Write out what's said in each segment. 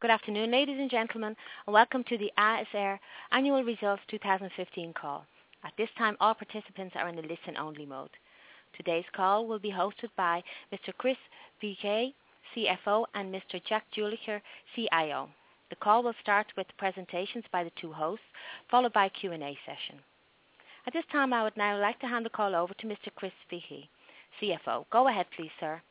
Good afternoon, ladies and gentlemen. Welcome to the ASR annual results 2015 call. At this time, all participants are in the listen-only mode. Today's call will be hosted by Mr. Chris Figee, CFO, and Mr. Jack Julicher, CIO. The call will start with presentations by the 2 hosts, followed by a Q&A session. At this time, I would now like to hand the call over to Mr. Chris Figee, CFO. Go ahead, please, sir.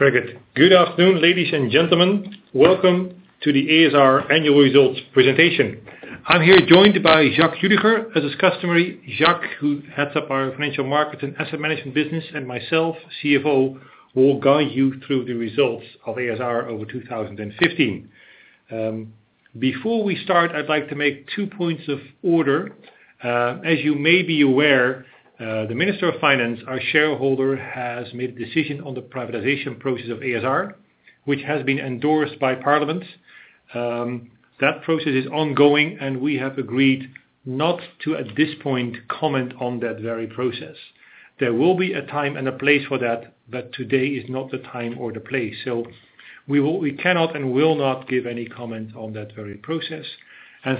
Very good. Good afternoon, ladies and gentlemen. Welcome to the ASR annual results presentation. I'm here joined by Jack Julicher. As is customary, Jack, who heads up our financial market and asset management business, and myself, CFO, will guide you through the results of ASR over 2015. Before we start, I'd like to make two points of order. As you may be aware, the Minister of Finance, our shareholder, has made a decision on the privatization process of ASR, which has been endorsed by Parliament. That process is ongoing, and we have agreed not to, at this point, comment on that very process. There will be a time and a place for that, but today is not the time or the place. We cannot and will not give any comment on that very process.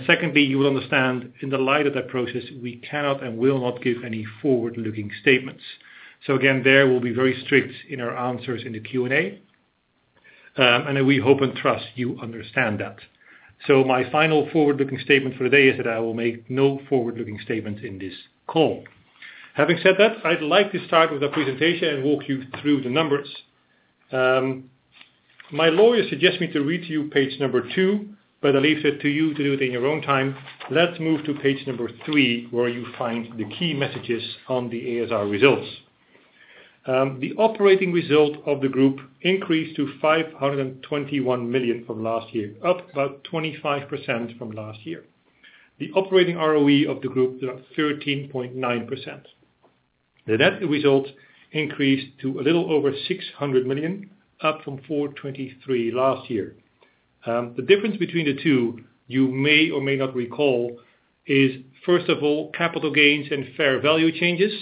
Secondly, you will understand, in the light of that process, we cannot and will not give any forward-looking statements. Again, there we will be very strict in our answers in the Q&A, and we hope and trust you understand that. My final forward-looking statement for today is that I will make no forward-looking statements in this call. Having said that, I'd like to start with the presentation and walk you through the numbers. My lawyer suggests me to read to you page number two, but I leave that to you to do it in your own time. Let's move to page number three, where you find the key messages on the ASR results. The operating result of the group increased to 521 million from last year, up about 25% from last year. The operating ROE of the group is up 13.9%. The net result increased to a little over 600 million, up from 423 last year. The difference between the two, you may or may not recall, is first of all, capital gains and fair value changes,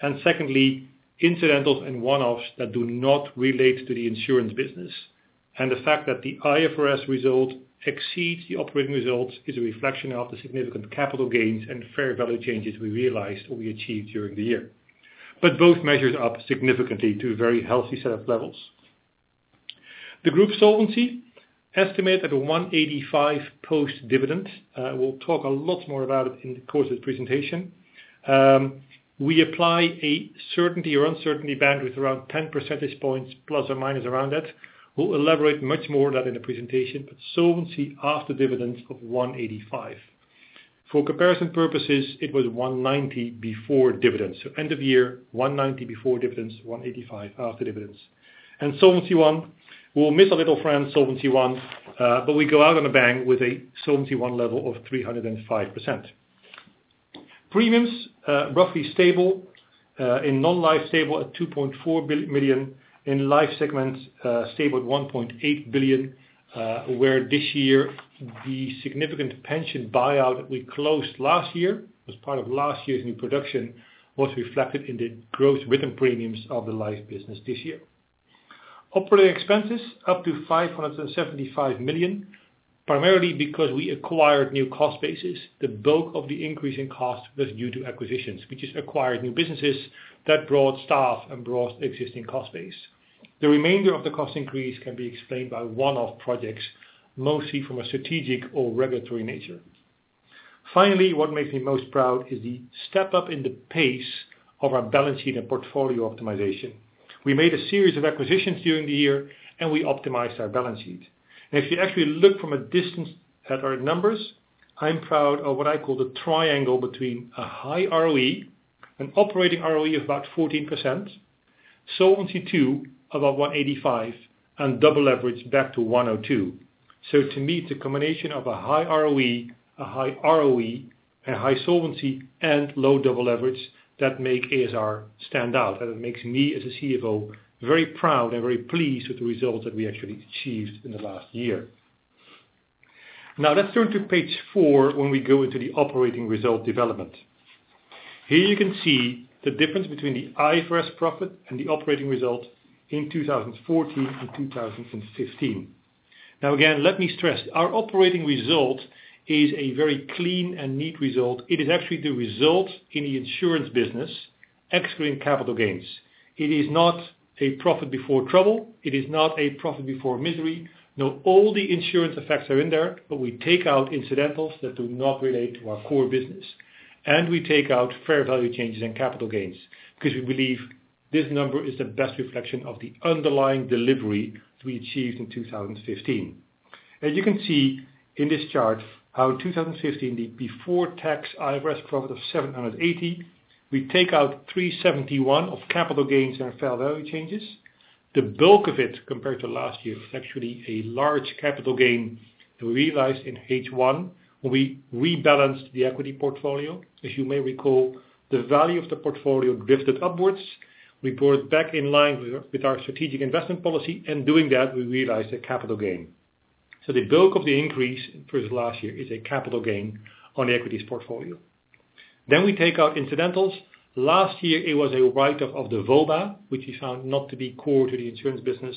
and secondly, incidentals and one-offs that do not relate to the insurance business. The fact that the IFRS result exceeds the operating results is a reflection of the significant capital gains and fair value changes we realized or we achieved during the year. Both measures are up significantly to a very healthy set of levels. The group solvency estimated at 185 post-dividend. We will talk a lot more about it in the course of the presentation. We apply a certainty or uncertainty bandwidth around 10 percentage points, plus or minus around that. We will elaborate much more on that in the presentation, but solvency after dividends of 185. For comparison purposes, it was 190 before dividends. End of year, 190 before dividends, 185 after dividends. Solvency I, we'll miss our little friend, Solvency I, we go out on a bang with a Solvency I level of 305%. Premiums, roughly stable. In non-life, stable at 2.4 billion. In life segment, stable at 1.8 billion, where this year the significant pension buyout we closed last year, was part of last year's new production, was reflected in the growth written premiums of the life business this year. Operating expenses up to 575 million, primarily because we acquired new cost bases. The bulk of the increase in cost was due to acquisitions. We just acquired new businesses that brought staff and brought existing cost base. The remainder of the cost increase can be explained by one-off projects, mostly from a strategic or regulatory nature. What makes me most proud is the step-up in the pace of our balance sheet and portfolio optimization. We made a series of acquisitions during the year, we optimized our balance sheet. If you actually look from a distance at our numbers, I'm proud of what I call the triangle between a high ROE, an operating ROE of about 14%, Solvency II, about 185%, double leverage back to 102%. To me, it's a combination of a high ROE, a high Solvency, low double leverage that make ASR stand out. It makes me as a CFO very proud and very pleased with the results that we actually achieved in the last year. Let's turn to page four when we go into the operating result development. Here you can see the difference between the IFRS profit and the operating result in 2014 and 2015. Again, let me stress, our operating result is a very clean and neat result. It is actually the result in the insurance business, excluding capital gains. It is not a profit before trouble. It is not a profit before misery. All the insurance effects are in there, we take out incidentals that do not relate to our core business. We take out fair value changes and capital gains because we believe this number is the best reflection of the underlying delivery we achieved in 2015. As you can see in this chart, how in 2015, the before-tax IFRS profit of 780, we take out 371 of capital gains and fair value changes. The bulk of it, compared to last year, is actually a large capital gain realized in H1 when we rebalanced the equity portfolio. As you may recall, the value of the portfolio drifted upwards. We brought back in line with our strategic investment policy, doing that, we realized a capital gain. The bulk of the increase versus last year is a capital gain on the equities portfolio. We take out incidentals. Last year it was a write-off of the VOBA, which we found not to be core to the insurance business.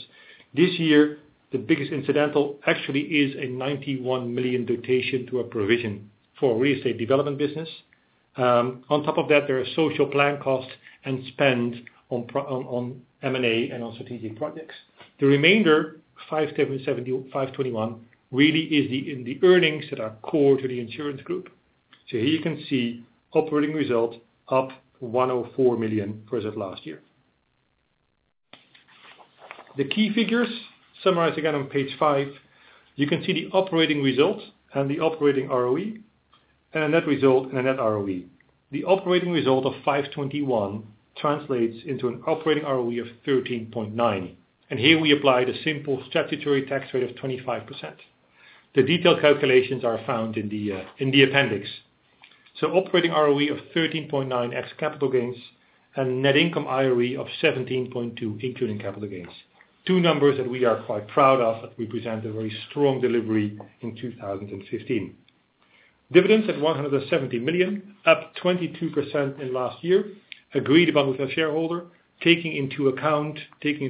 This year, the biggest incidental actually is a 91 million notation to a provision for real estate development business. On top of that, there are social plan costs and spend on M&A, on strategic projects. The remainder, 521, really is in the earnings that are core to the insurance group. Here you can see operating result up 104 million versus last year. The key figures summarized again on page five. You can see the operating result and the operating ROE and a net result and a net ROE. The operating result of 521 translates into an operating ROE of 13.9%, and here we apply the simple statutory tax rate of 25%. The detailed calculations are found in the appendix. Operating ROE of 13.9% ex capital gains and net income ROE of 17.2%, including capital gains. Two numbers that we are quite proud of that represent a very strong delivery in 2015. Dividends at 170 million, up 22% in last year. Agreed upon with our shareholder, taking into account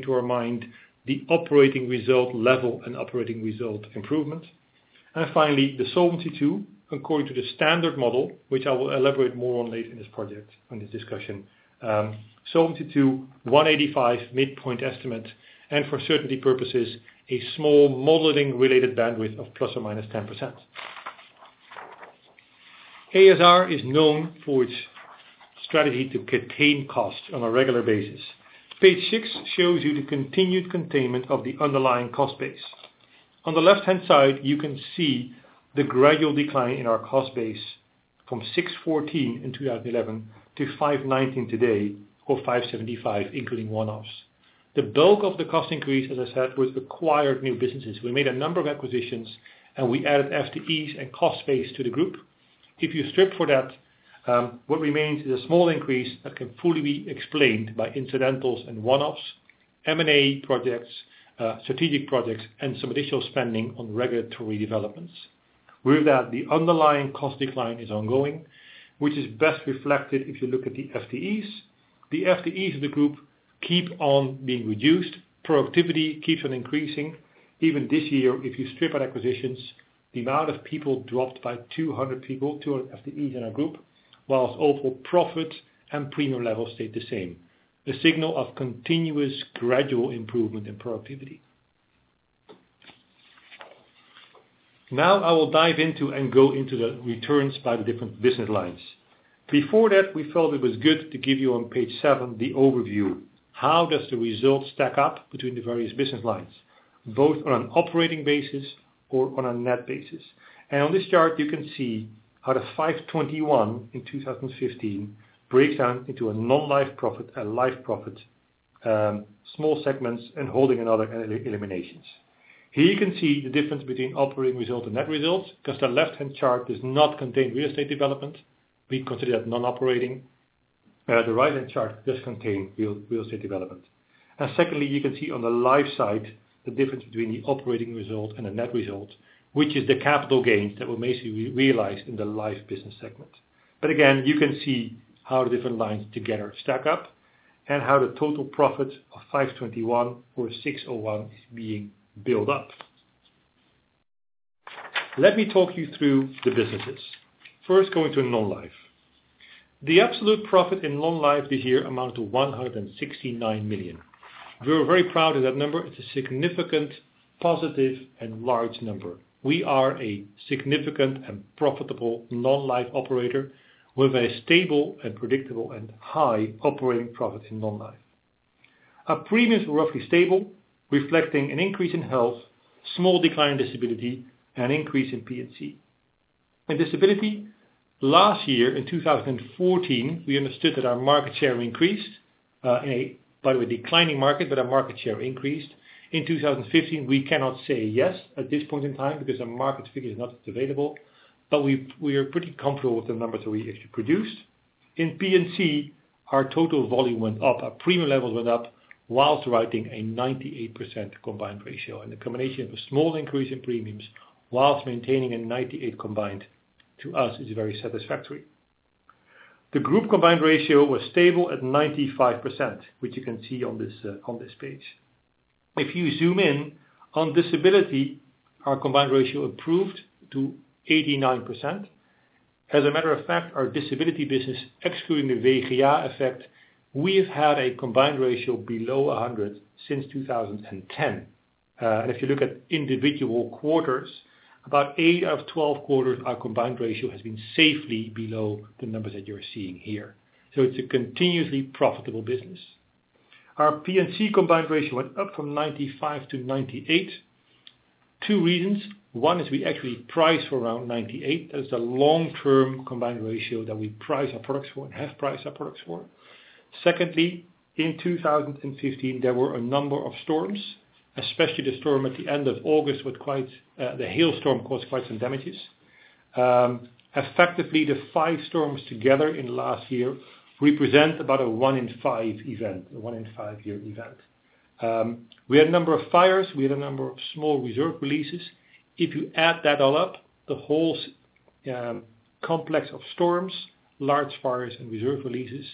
our mind the operating result level and operating result improvement. Finally, the Solvency II, according to the standard model, which I will elaborate more on later in this project, on this discussion. Solvency II, 185% midpoint estimate, and for certainty purposes, a small modeling related bandwidth of ±10%. ASR is known for its strategy to contain costs on a regular basis. Page six shows you the continued containment of the underlying cost base. On the left-hand side, you can see the gradual decline in our cost base from 614 in 2011 to 519 today or 575, including one-offs. The bulk of the cost increase, as I said, was acquired new businesses. We made a number of acquisitions and we added FTEs and cost base to the group. If you strip for that, what remains is a small increase that can fully be explained by incidentals and one-offs, M&A projects, strategic projects, and some additional spending on regulatory developments. With that, the underlying cost decline is ongoing, which is best reflected if you look at the FTEs. The FTEs of the group keep on being reduced. Productivity keeps on increasing. Even this year, if you strip out acquisitions, the amount of people dropped by 200 people, 200 FTEs in our group, whilst overall profit and premium levels stayed the same. The signal of continuous gradual improvement in productivity. I will dive into and go into the returns by the different business lines. Before that, we felt it was good to give you on page seven the overview. How does the result stack up between the various business lines, both on an operating basis or on a net basis? On this chart, you can see how the 521 in 2015 breaks down into a non-life profit, a life profit, small segments, and holding and other eliminations. Here you can see the difference between operating result and net results because the left-hand chart does not contain real estate development. We consider that non-operating. The right-hand chart does contain real estate development. Secondly, you can see on the life side the difference between the operating result and the net result, which is the capital gains that were mostly realized in the life business segment. Again, you can see how the different lines together stack up and how the total profit of 521 or 601 is being built up. Let me talk you through the businesses. First, going to non-life. The absolute profit in non-life this year amounted to 169 million. We're very proud of that number. It's a significant positive and large number. We are a significant and profitable non-life operator with a stable and predictable and high operating profit in non-life. Our premiums were roughly stable, reflecting an increase in health, small decline in disability, and increase in P&C. In disability, last year in 2014, we understood that our market share increased by the declining market, our market share increased. In 2015, we cannot say yes at this point in time because the market figure is not available. We are pretty comfortable with the numbers that we actually produced. In P&C, our total volume went up. Our premium levels went up whilst writing a 98% combined ratio. The combination of a small increase in premiums whilst maintaining a 98 combined to us is very satisfactory. The group combined ratio was stable at 95%, which you can see on this page. If you zoom in on disability, our combined ratio improved to 89%. As a matter of fact, our disability business, excluding the WGA effect, we have had a combined ratio below 100 since 2010. If you look at individual quarters, about eight out of 12 quarters, our combined ratio has been safely below the numbers that you're seeing here. It's a continuously profitable business. Our P&C combined ratio went up from 95 to 98. Two reasons. One is we actually price for around 98. That is the long-term combined ratio that we price our products for and have priced our products for. Secondly, in 2015, there were a number of storms, especially the storm at the end of August. The hail storm caused quite some damages. Effectively, the five storms together in the last year represent about a one in five year event. We had a number of fires, we had a number of small reserve releases. If you add that all up, the whole complex of storms, large fires, and reserve releases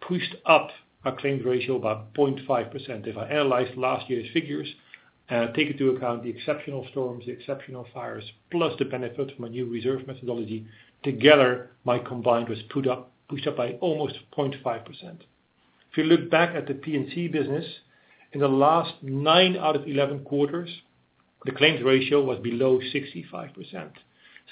pushed up our claims ratio about 0.5%. If I analyze last year's figures, take into account the exceptional storms, the exceptional fires, plus the benefit of my new reserve methodology, together my combined was pushed up by almost 0.5%. If you look back at the P&C business, in the last nine out of 11 quarters, the claims ratio was below 65%.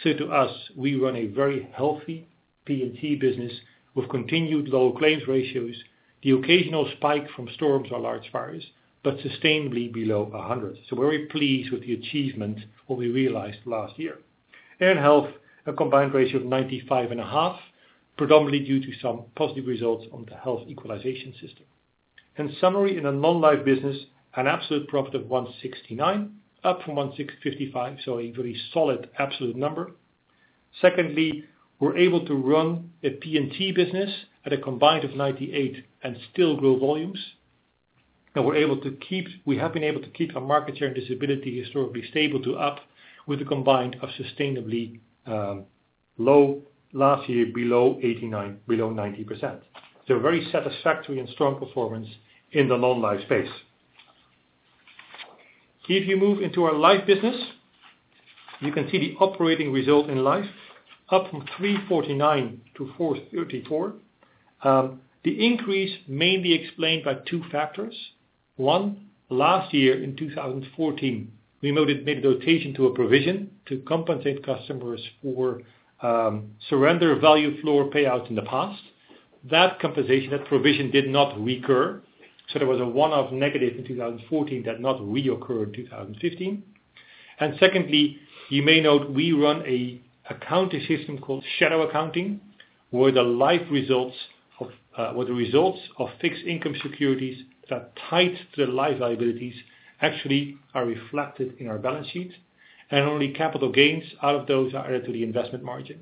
To us, we run a very healthy P&C business with continued low claims ratios, the occasional spike from storms or large fires, sustainably below 100. We're very pleased with the achievement what we realized last year. In health, a combined ratio of 95.5, predominantly due to some positive results on the health equalization system. In summary, in the non-life business, an absolute profit of 169 up from 155, a very solid absolute number. Secondly, we're able to run a P&C business at a combined of 98 and still grow volumes. We have been able to keep our market share and disability historically stable to up with a combined of sustainably low last year below 90%. A very satisfactory and strong performance in the non-life space. If you move into our life business, you can see the operating result in life up from 349 to 434. The increase may be explained by two factors. One, last year in 2014, we made a notation to a provision to compensate customers for surrender value floor payouts in the past. That compensation, that provision did not recur, so there was a one-off negative in 2014 that not reoccurred in 2015. Secondly, you may note we run an accounting system called shadow accounting, where the results of fixed income securities that tied to the life liabilities actually are reflected in our balance sheet, and only capital gains out of those are added to the investment margin.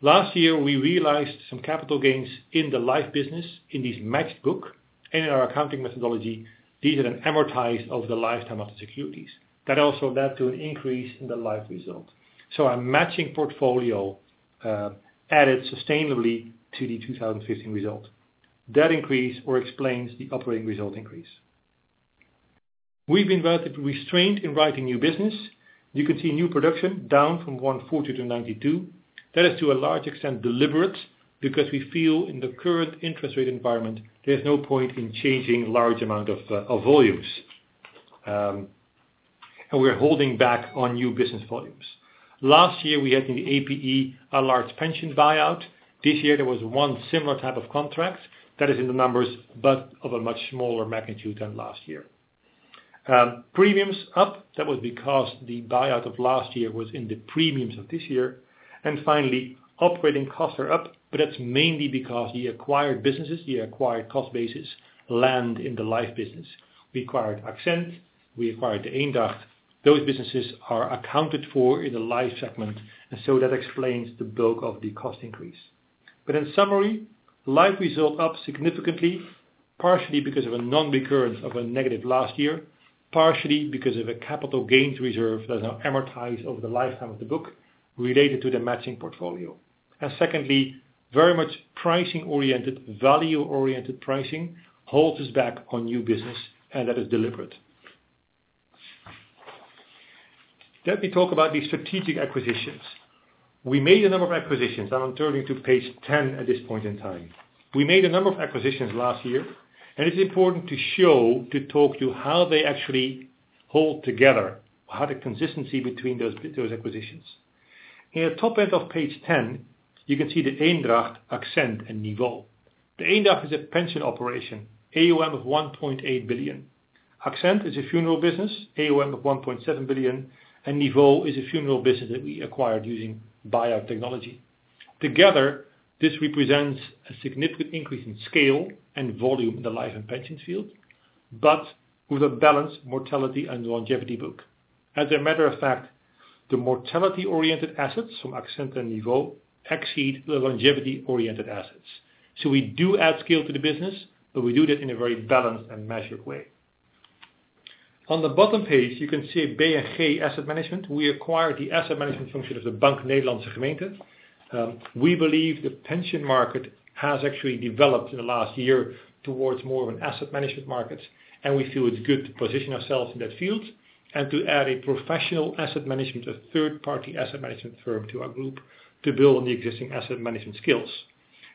Last year, we realized some capital gains in the life business in this matched book. In our accounting methodology, these are amortized over the lifetime of the securities. That also led to an increase in the life result. Our matching portfolio added sustainably to the 2015 result. That increase explains the operating result increase. We've been relatively restrained in writing new business. You can see new production down from 140 to 92. That is to a large extent deliberate because we feel in the current interest rate environment, there's no point in changing large amount of volumes. We're holding back on new business volumes. Last year we had in the APE a large pension buyout. This year there was one similar type of contract that is in the numbers but of a much smaller magnitude than last year. Premiums up, that was because the buyout of last year was in the premiums of this year. Finally, operating costs are up, but that's mainly because the acquired businesses, the acquired cost basis, land in the life business. We acquired Axent, we acquired De Eendragt. Those businesses are accounted for in the life segment, that explains the bulk of the cost increase. In summary, life result up significantly, partially because of a non-recurrence of a negative last year, partially because of a capital gains reserve that now amortize over the lifetime of the book related to the matching portfolio. Secondly, very much pricing oriented, value-oriented pricing holds us back on new business, and that is deliberate. Let me talk about the strategic acquisitions. We made a number of acquisitions, I'm turning to page 10 at this point in time. We made a number of acquisitions last year, it is important to show, to talk to you how they actually hold together, how the consistency between those acquisitions. In the top end of page 10, you can see De Eendragt, Axent, and NIVO. De Eendragt is a pension operation, AUM of 1.8 billion. Axent is a funeral business, AUM of 1.7 billion, and NIVO is a funeral business that we acquired using buyout technology. Together, this represents a significant increase in scale and volume in the life and pensions field, but with a balanced mortality and longevity book. As a matter of fact, the mortality-oriented assets from Axent and NIVO exceed the longevity-oriented assets. We do add scale to the business, but we do that in a very balanced and measured way. On the bottom page, you can see BNG Vermogensbeheer. We acquired the asset management function of Bank Nederlandse Gemeenten. We believe the pension market has actually developed in the last year towards more of an asset management market, and we feel it's good to position ourselves in that field and to add a professional asset management, a third-party asset management firm to our group to build on the existing asset management skills.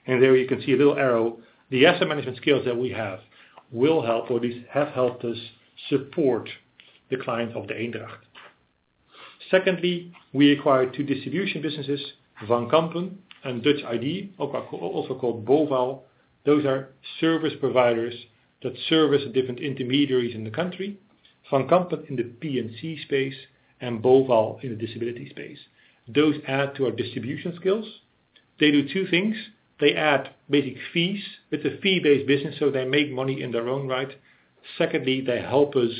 There you can see a little arrow. The asset management skills that we have will help or these have helped us support the clients of De Eendragt. Secondly, we acquired two distribution businesses, Van Kampen and Dutch ID, also called Boval. Those are service providers that service different intermediaries in the country. Van Kampen in the P&C space and Boval in the disability space. Those add to our distribution skills. They do two things. They add basic fees. It's a fee-based business, so they make money in their own right. Secondly, they help us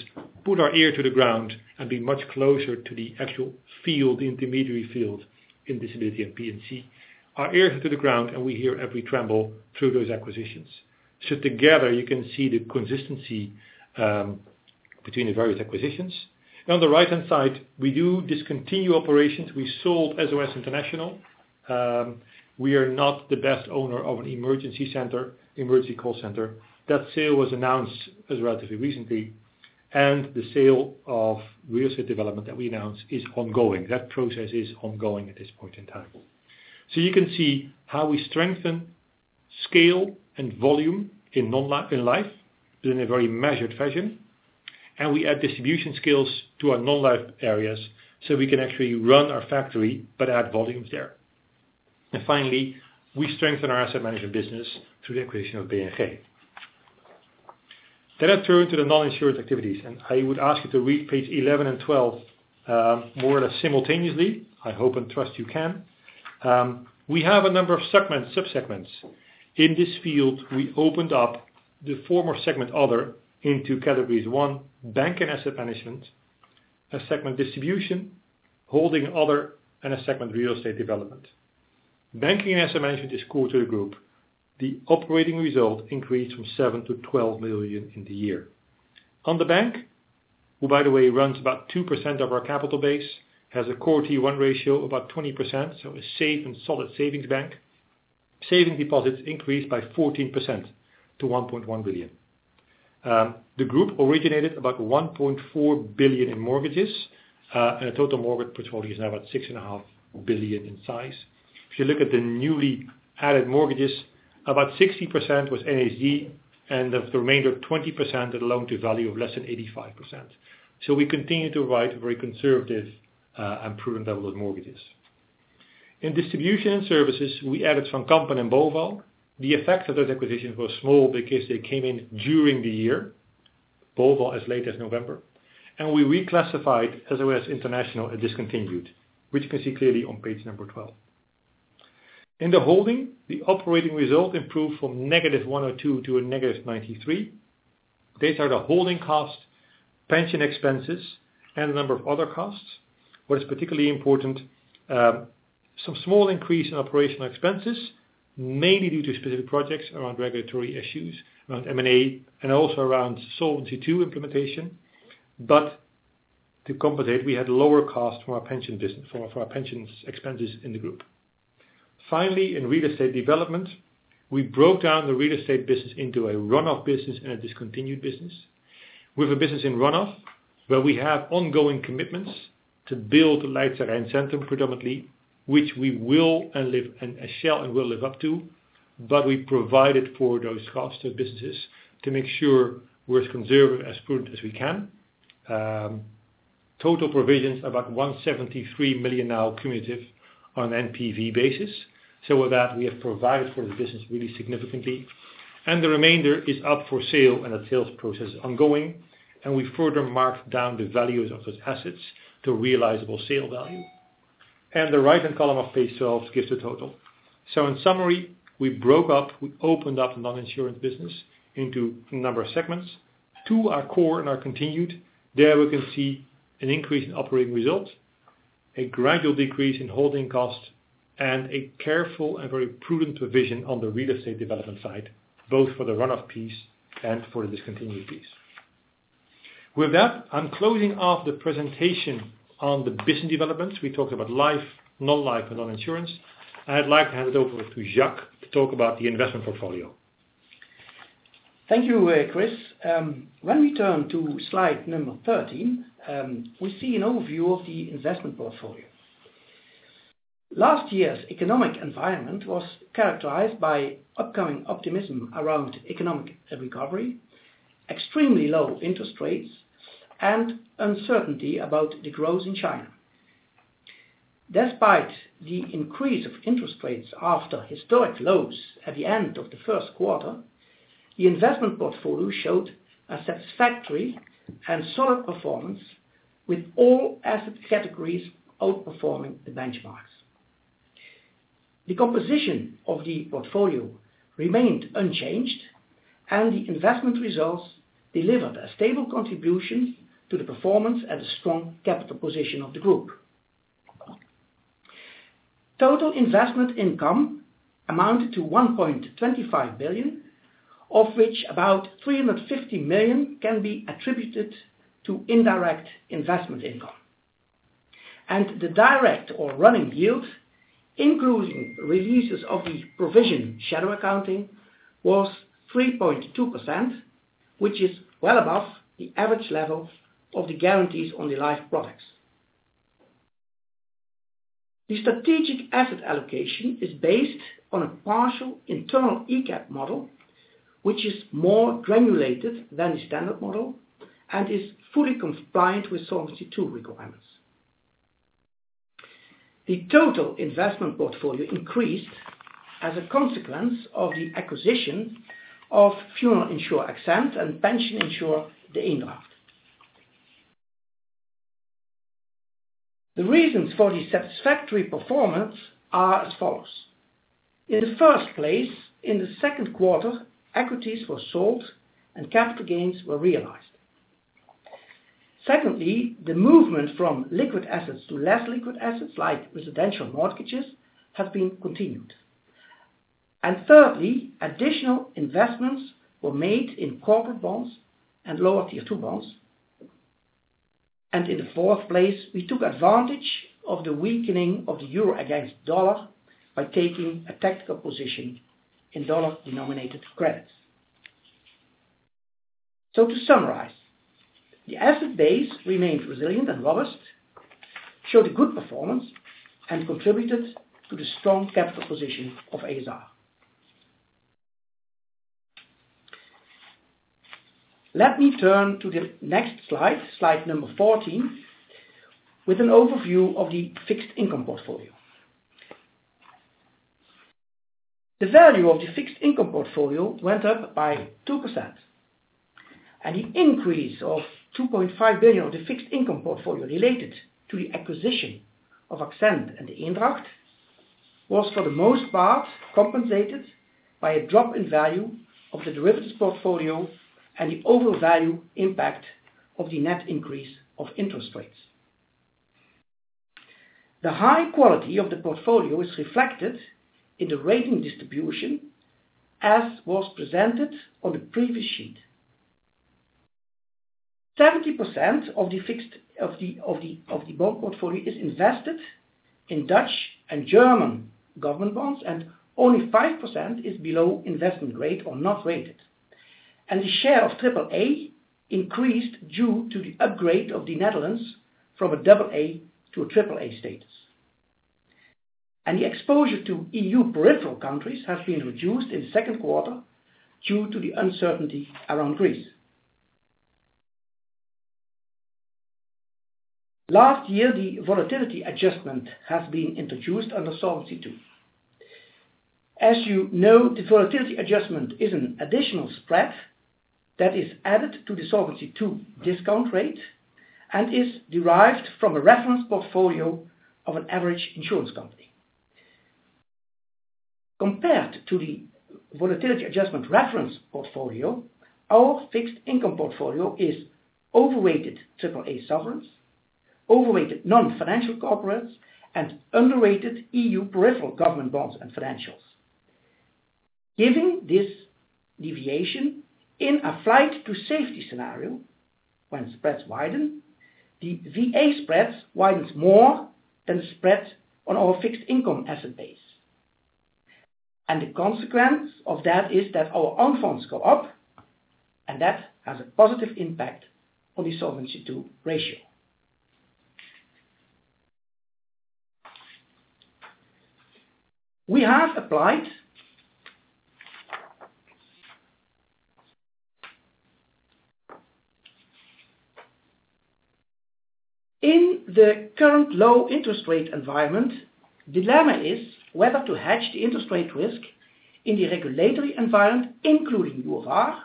put our ear to the ground and be much closer to the actual field, intermediary field in disability and P&C. Our ear to the ground, and we hear every tremble through those acquisitions. Together, you can see the consistency between the various acquisitions. On the right-hand side, we do discontinue operations. We sold SOS International. We are not the best owner of an emergency call center. That sale was announced as relatively recently, and the sale of real estate development that we announced is ongoing. That process is ongoing at this point in time. You can see how we strengthen scale and volume in non-life and life, but in a very measured fashion. We add distribution skills to our non-life areas so we can actually run our factory but add volumes there. Finally, we strengthen our asset management business through the acquisition of BNG. I turn to the non-insured activities, and I would ask you to read page 11 and 12 more or less simultaneously. I hope and trust you can. We have a number of sub-segments. In this field, we opened up the former segment, other, into categories 1, bank and asset management, a segment distribution, holding other, and a segment real estate development. Banking and asset management is core to the group. The operating result increased from 7 million to 12 million in the year. On the bank, who by the way, runs about 2% of our capital base, has a core Tier 1 ratio of about 20%, so a safe and solid savings bank. Saving deposits increased by 14% to 1.1 billion. The group originated about 1.4 billion in mortgages, and a total mortgage portfolio is now about 6.5 billion in size. If you look at the newly added mortgages, about 60% was NHG, and of the remainder, 20% had a loan to value of less than 85%. We continue to write very conservative and prudent level of mortgages. In distribution and services, we added Van Kampen and Boval. The effect of those acquisitions was small because they came in during the year. Boval as late as November. We reclassified SOS International as discontinued, which you can see clearly on page number 12. In the holding, the operating result improved from negative 102 million to a negative 93 million. These are the holding costs, pension expenses, and a number of other costs. What is particularly important, some small increase in operational expenses, mainly due to specific projects around regulatory issues, around M&A, and also around Solvency II implementation. To compensate, we had lower costs for our pension expenses in the group. Finally, in real estate development, we broke down the real estate business into a run-off business and a discontinued business. We have a business in run-off where we have ongoing commitments to build Leidsche Rijn Centrum predominantly, which we will and shall and will live up to, but we provided for those costs to businesses to make sure we're as conservative, as prudent as we can. Total provisions about 173 million now cumulative on an NPV basis. With that, we have provided for the business really significantly, and the remainder is up for sale and the sales process is ongoing, and we further marked down the values of those assets to realizable sale value. The right-hand column of page 12 gives the total. In summary, we broke up, we opened up the non-insurance business into a number of segments. Two are core and are continued. There we can see an increase in operating results, a gradual decrease in holding costs, and a careful and very prudent provision on the real estate development side, both for the run-off piece and for the discontinued piece. With that, I'm closing off the presentation on the business development. We talked about life, non-life, and non-insurance. I'd like to hand it over to Jack to talk about the investment portfolio. Thank you, Chris. When we turn to slide number 13, we see an overview of the investment portfolio. Last year's economic environment was characterized by upcoming optimism around economic recovery, extremely low interest rates, and uncertainty about the growth in China. Despite the increase of interest rates after historic lows at the end of the first quarter, the investment portfolio showed a satisfactory and solid performance with all asset categories outperforming the benchmarks. The composition of the portfolio remained unchanged, and the investment results delivered a stable contribution to the performance and a strong capital position of the group. Total investment income amounted to 1.25 billion, of which about 350 million can be attributed to indirect investment income. The direct or running yield, including releases of the provision shadow accounting, was 3.2%, which is well above the average level of the guarantees on the life products. The strategic asset allocation is based on a partial internal ECAP model, which is more granulated than the standard model and is fully compliant with Solvency II requirements. The total investment portfolio increased as a consequence of the acquisition of funeral insurer Axent and pension insurer De Eendragt. The reasons for the satisfactory performance are as follows. In the first place, in the second quarter, equities were sold and capital gains were realized. Secondly, the movement from liquid assets to less liquid assets, like residential mortgages, has been continued. Thirdly, additional investments were made in corporate bonds and lower Tier 2 bonds. In the fourth place, we took advantage of the weakening of the euro against USD by taking a tactical position in USD-denominated credits. To summarize, the asset base remained resilient and robust, showed good performance, and contributed to the strong capital position of ASR. Let me turn to the next slide number 14, with an overview of the fixed income portfolio. The value of the fixed income portfolio went up by 2%. The increase of 2.5 billion of the fixed income portfolio related to the acquisition of Axent and De Eendragt was, for the most part, compensated by a drop in value of the derivatives portfolio and the overvalue impact of the net increase of interest rates. The high quality of the portfolio is reflected in the rating distribution, as was presented on the previous sheet. 70% of the bond portfolio is invested in Dutch and German government bonds, only 5% is below investment grade or not rated. The share of AAA increased due to the upgrade of the Netherlands from a AA to a AAA status. The exposure to EU peripheral countries has been reduced in the second quarter due to the uncertainty around Greece. Last year, the volatility adjustment has been introduced under Solvency II. As you know, the volatility adjustment is an additional spread that is added to the Solvency II discount rate and is derived from a reference portfolio of an average insurance company. Compared to the volatility adjustment reference portfolio, our fixed income portfolio is overweighted AAA sovereigns, overweighted non-financial corporates, underrated EU peripheral government bonds and financials. Given this deviation, in a flight to safety scenario, when spreads widen, the VA spreads widens more than the spread on our fixed income asset base. The consequence of that is that our own funds go up, that has a positive impact on the Solvency II ratio. In the current low interest rate environment, the dilemma is whether to hedge the interest rate risk in the regulatory environment, including UFR,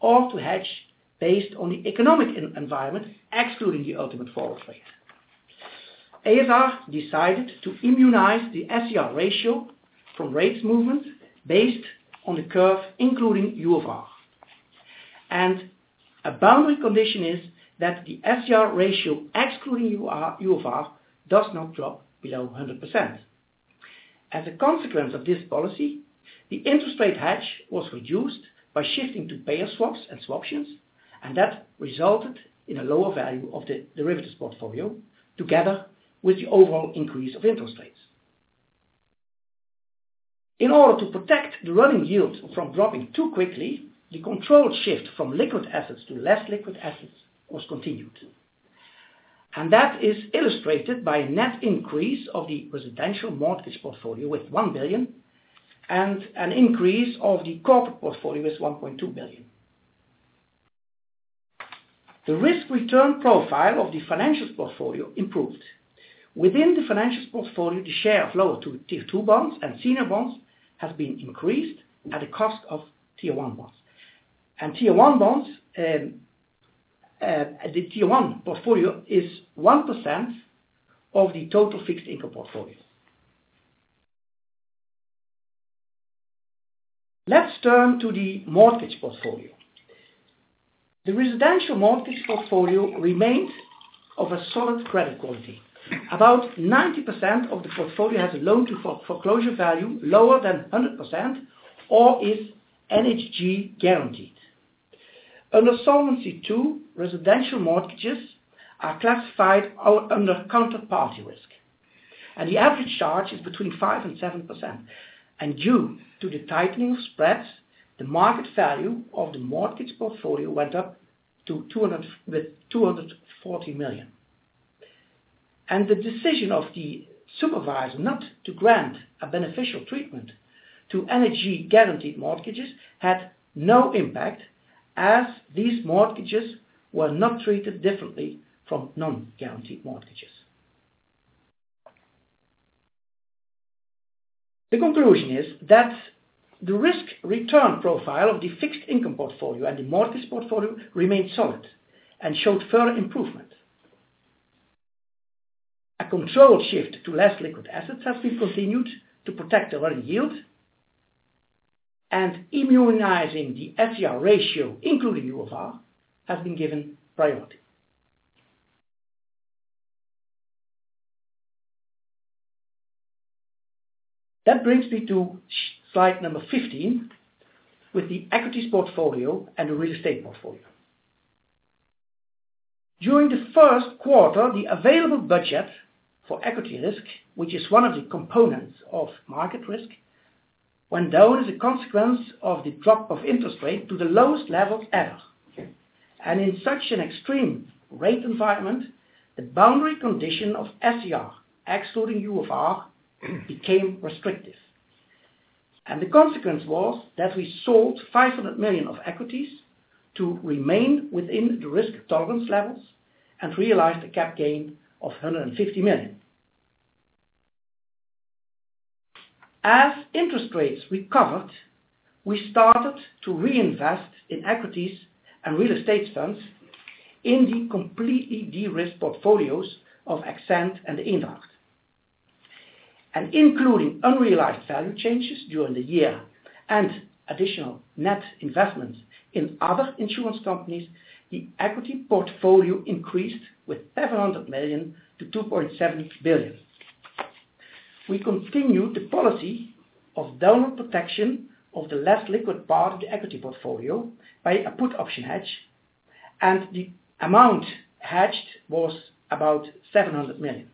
or to hedge based on the economic environment, excluding the ultimate forward rate. ASR decided to immunize the SCR ratio from rates movement based on the curve, including UFR. A boundary condition is that the SCR ratio excluding UFR does not drop below 100%. As a consequence of this policy, the interest rate hedge was reduced by shifting to payer swaps and swaptions, that resulted in a lower value of the derivatives portfolio together with the overall increase of interest rates. In order to protect the running yield from dropping too quickly, the controlled shift from liquid assets to less liquid assets was continued. That is illustrated by a net increase of the residential mortgage portfolio with 1 billion and an increase of the corporate portfolio with 1.2 billion. The risk-return profile of the financials portfolio improved. Within the financials portfolio, the share of lower Tier 2 bonds and senior bonds has been increased at the cost of Tier 1 bonds. The Tier 1 portfolio is 1% of the total fixed income portfolio. Let's turn to the mortgage portfolio. The residential mortgage portfolio remains of a solid credit quality. About 90% of the portfolio has a loan-to-foreclosure value lower than 100%, or is NHG guaranteed. Under Solvency II, residential mortgages are classified under counterparty risk, the average charge is between 5%-7%. Due to the tightening of spreads, the market value of the mortgage portfolio went up with 240 million. The decision of the supervisor not to grant a beneficial treatment to NHG guaranteed mortgages had no impact, as these mortgages were not treated differently from non-guaranteed mortgages. The conclusion is that the risk return profile of the fixed income portfolio and the mortgages portfolio remained solid and showed further improvement. A controlled shift to less liquid assets has been continued to protect the running yield, and immunizing the SCR ratio, including UFR, has been given priority. That brings me to slide number 15, with the equities portfolio and the real estate portfolio. During the first quarter, the available budget for equity risk, which is one of the components of market risk, went down as a consequence of the drop of interest rate to the lowest levels ever. In such an extreme rate environment, the boundary condition of SCR, excluding UFR, became restrictive. The consequence was that we sold 500 million of equities to remain within the risk tolerance levels and realize the cap gain of 150 million. As interest rates recovered, we started to reinvest in equities and real estate funds in the completely de-risked portfolios of Axent and Eendragt. Including unrealized value changes during the year and additional net investments in other insurance companies, the equity portfolio increased with 700 million to 2.7 billion. We continued the policy of downward protection of the less liquid part of the equity portfolio by a put option hedge, and the amount hedged was about EUR 700 million.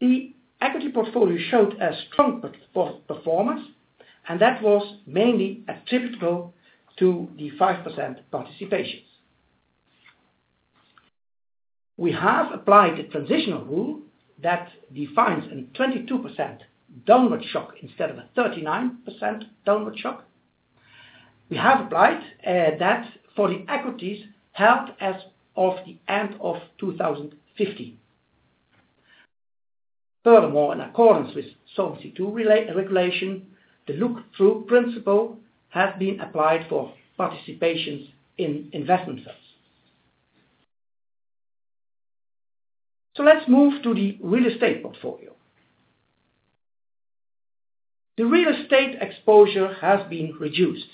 The equity portfolio showed a strong performance, and that was mainly attributable to the 5% participations. We have applied the transitional rule that defines a 22% downward shock instead of a 39% downward shock. We have applied that for the equities held as of the end of 2015. Furthermore, in accordance with Solvency II regulation, the look-through principle has been applied for participations in investment funds. Let's move to the real estate portfolio. The real estate exposure has been reduced.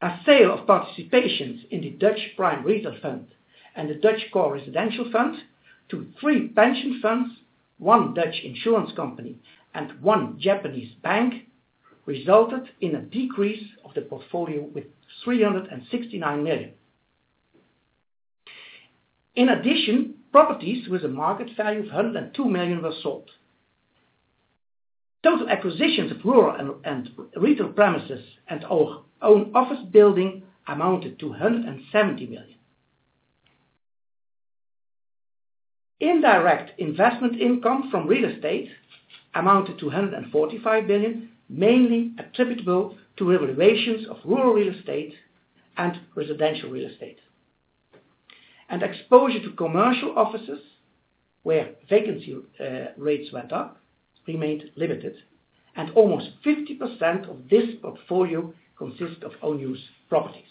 A sale of participations in the Dutch Prime Retail Fund and the Dutch Core Residential Fund to three pension funds, one Dutch insurance company, and one Japanese bank, resulted in a decrease of the portfolio with 369 million. In addition, properties with a market value of 102 million were sold. Total acquisitions of rural and retail premises and our own office building amounted to 170 million. Indirect investment income from real estate amounted to 145 million, mainly attributable to revaluations of rural real estate and residential real estate. Exposure to commercial offices, where vacancy rates went up, remained limited, and almost 50% of this portfolio consists of own-use properties.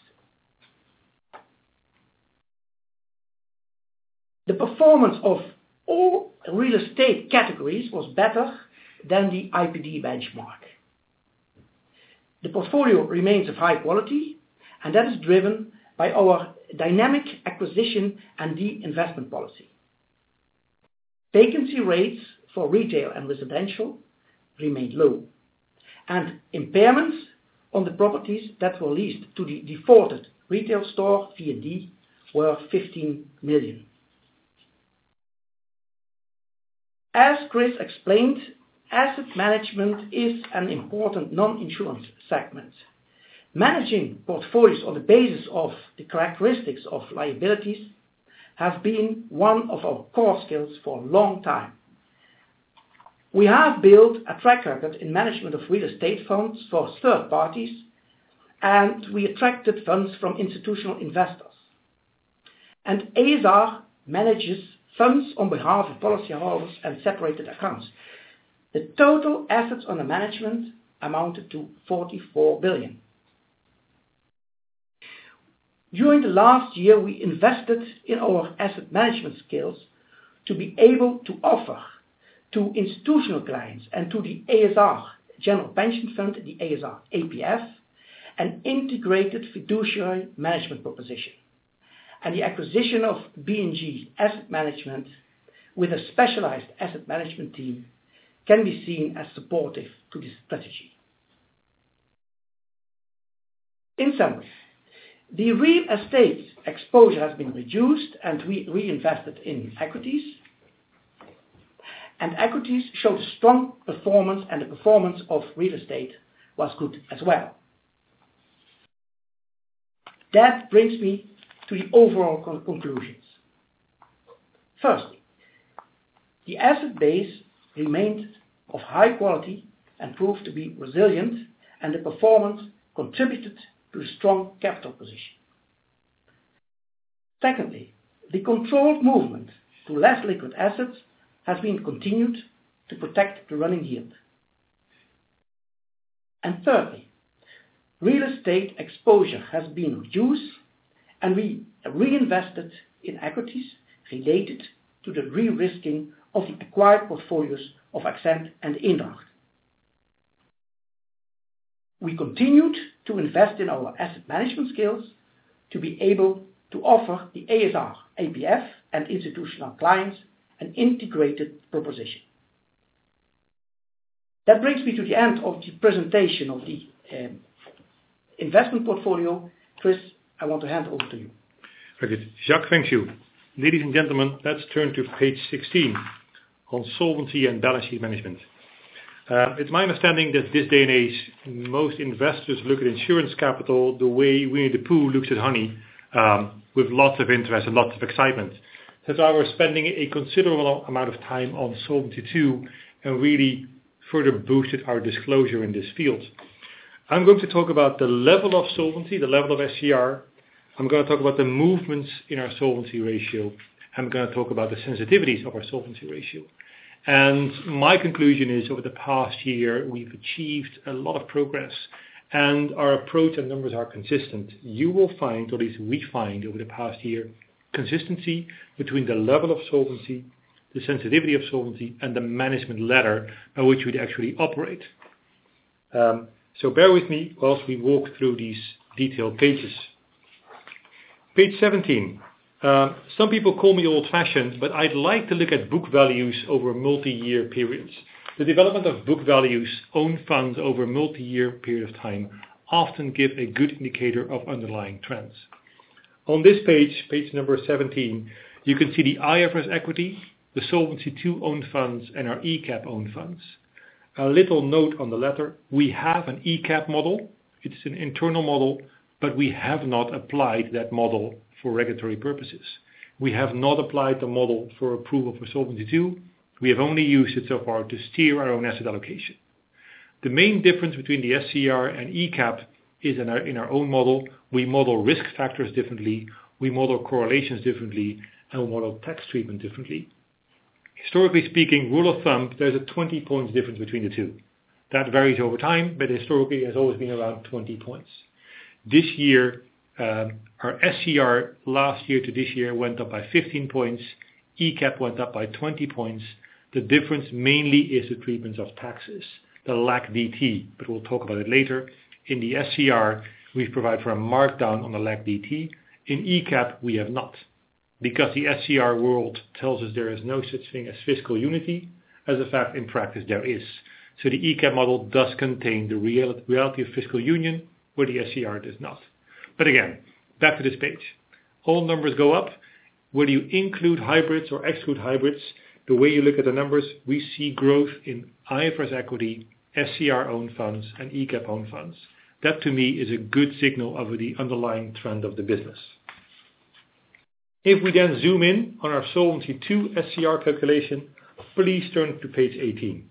The performance of all real estate categories was better than the IPD benchmark. The portfolio remains of high quality, and that is driven by our dynamic acquisition and de-investment policy. Vacancy rates for retail and residential remained low. Impairments on the properties that were leased to the defaulted retail store, V&D, were 15 million. As Chris explained, asset management is an important non-insurance segment. Managing portfolios on the basis of the characteristics of liabilities has been one of our core skills for a long time. We have built a track record in management of real estate funds for third parties, and we attracted funds from institutional investors. ASR manages funds on behalf of policyholders and separated accounts. The total assets under management amounted to EUR 44 billion. During the last year, we invested in our asset management skills to be able to offer to institutional clients and to the ASR general pension fund, the ASR APF, an integrated fiduciary management proposition. The acquisition of BNG asset management with a specialized asset management team, can be seen as supportive to this strategy. In summary, the real estate exposure has been reduced, and we reinvested in equities, and equities showed strong performance, and the performance of real estate was good as well. That brings me to the overall conclusions. Firstly, the asset base remained of high quality and proved to be resilient, and the performance contributed to a strong capital position. Secondly, the controlled movement to less liquid assets has been continued to protect the running yield. Thirdly, real estate exposure has been reduced, and we reinvested in equities related to the de-risking of the acquired portfolios of Axent and Eendragt. We continued to invest in our asset management skills to be able to offer the ASR APF and institutional clients an integrated proposition. That brings me to the end of the presentation of the investment portfolio. Chris, I want to hand over to you. Okay. Jack, thank you. Ladies and gentlemen, let's turn to page 16 on solvency and balance sheet management. It's my understanding that this day and age, most investors look at insurance capital the way Winnie-the-Pooh looks at honey. With lots of interest and lots of excitement. That's why we're spending a considerable amount of time on Solvency II, and really further boosted our disclosure in this field. I'm going to talk about the level of solvency, the level of SCR. I'm going to talk about the movements in our solvency ratio. I'm going to talk about the sensitivities of our solvency ratio. My conclusion is, over the past year, we've achieved a lot of progress, and our approach and numbers are consistent. You will find, or at least we find over the past year, consistency between the level of solvency, the sensitivity of solvency, and the management ladder by which we'd actually operate. Bear with me as we walk through these detailed pages. Page 17. Some people call me old-fashioned, but I'd like to look at book values over multi-year periods. The development of book values, own funds over a multi-year period of time often give a good indicator of underlying trends. On this page number 17, you can see the IFRS equity, the Solvency II own funds, and our ECAP own funds. A little note on the latter, we have an ECAP model. It's an internal model, but we have not applied that model for regulatory purposes. We have not applied the model for approval for Solvency II. We have only used it so far to steer our own asset allocation. The main difference between the SCR and ECAP is in our own model. We model risk factors differently, we model correlations differently, and we model tax treatment differently. Historically speaking, rule of thumb, there is a 20-point difference between the two. That varies over time, but historically has always been around 20 points. This year, our SCR last year to this year went up by 15 points. ECAP went up by 20 points. The difference mainly is the treatment of taxes, the LAC-DT, but we will talk about it later. In the SCR, we provide for a markdown on the LAC-DT. In ECAP, we have not, because the SCR world tells us there is no such thing as fiscal unity. As a fact, in practice, there is. The ECAP model does contain the reality of fiscal unity where the SCR does not. Again, back to this page. All numbers go up. Whether you include hybrids or exclude hybrids, the way you look at the numbers, we see growth in IFRS equity, SCR own funds, and ECAP own funds. That to me is a good signal of the underlying trend of the business. If we then zoom in on our Solvency II SCR calculation, please turn to page 18.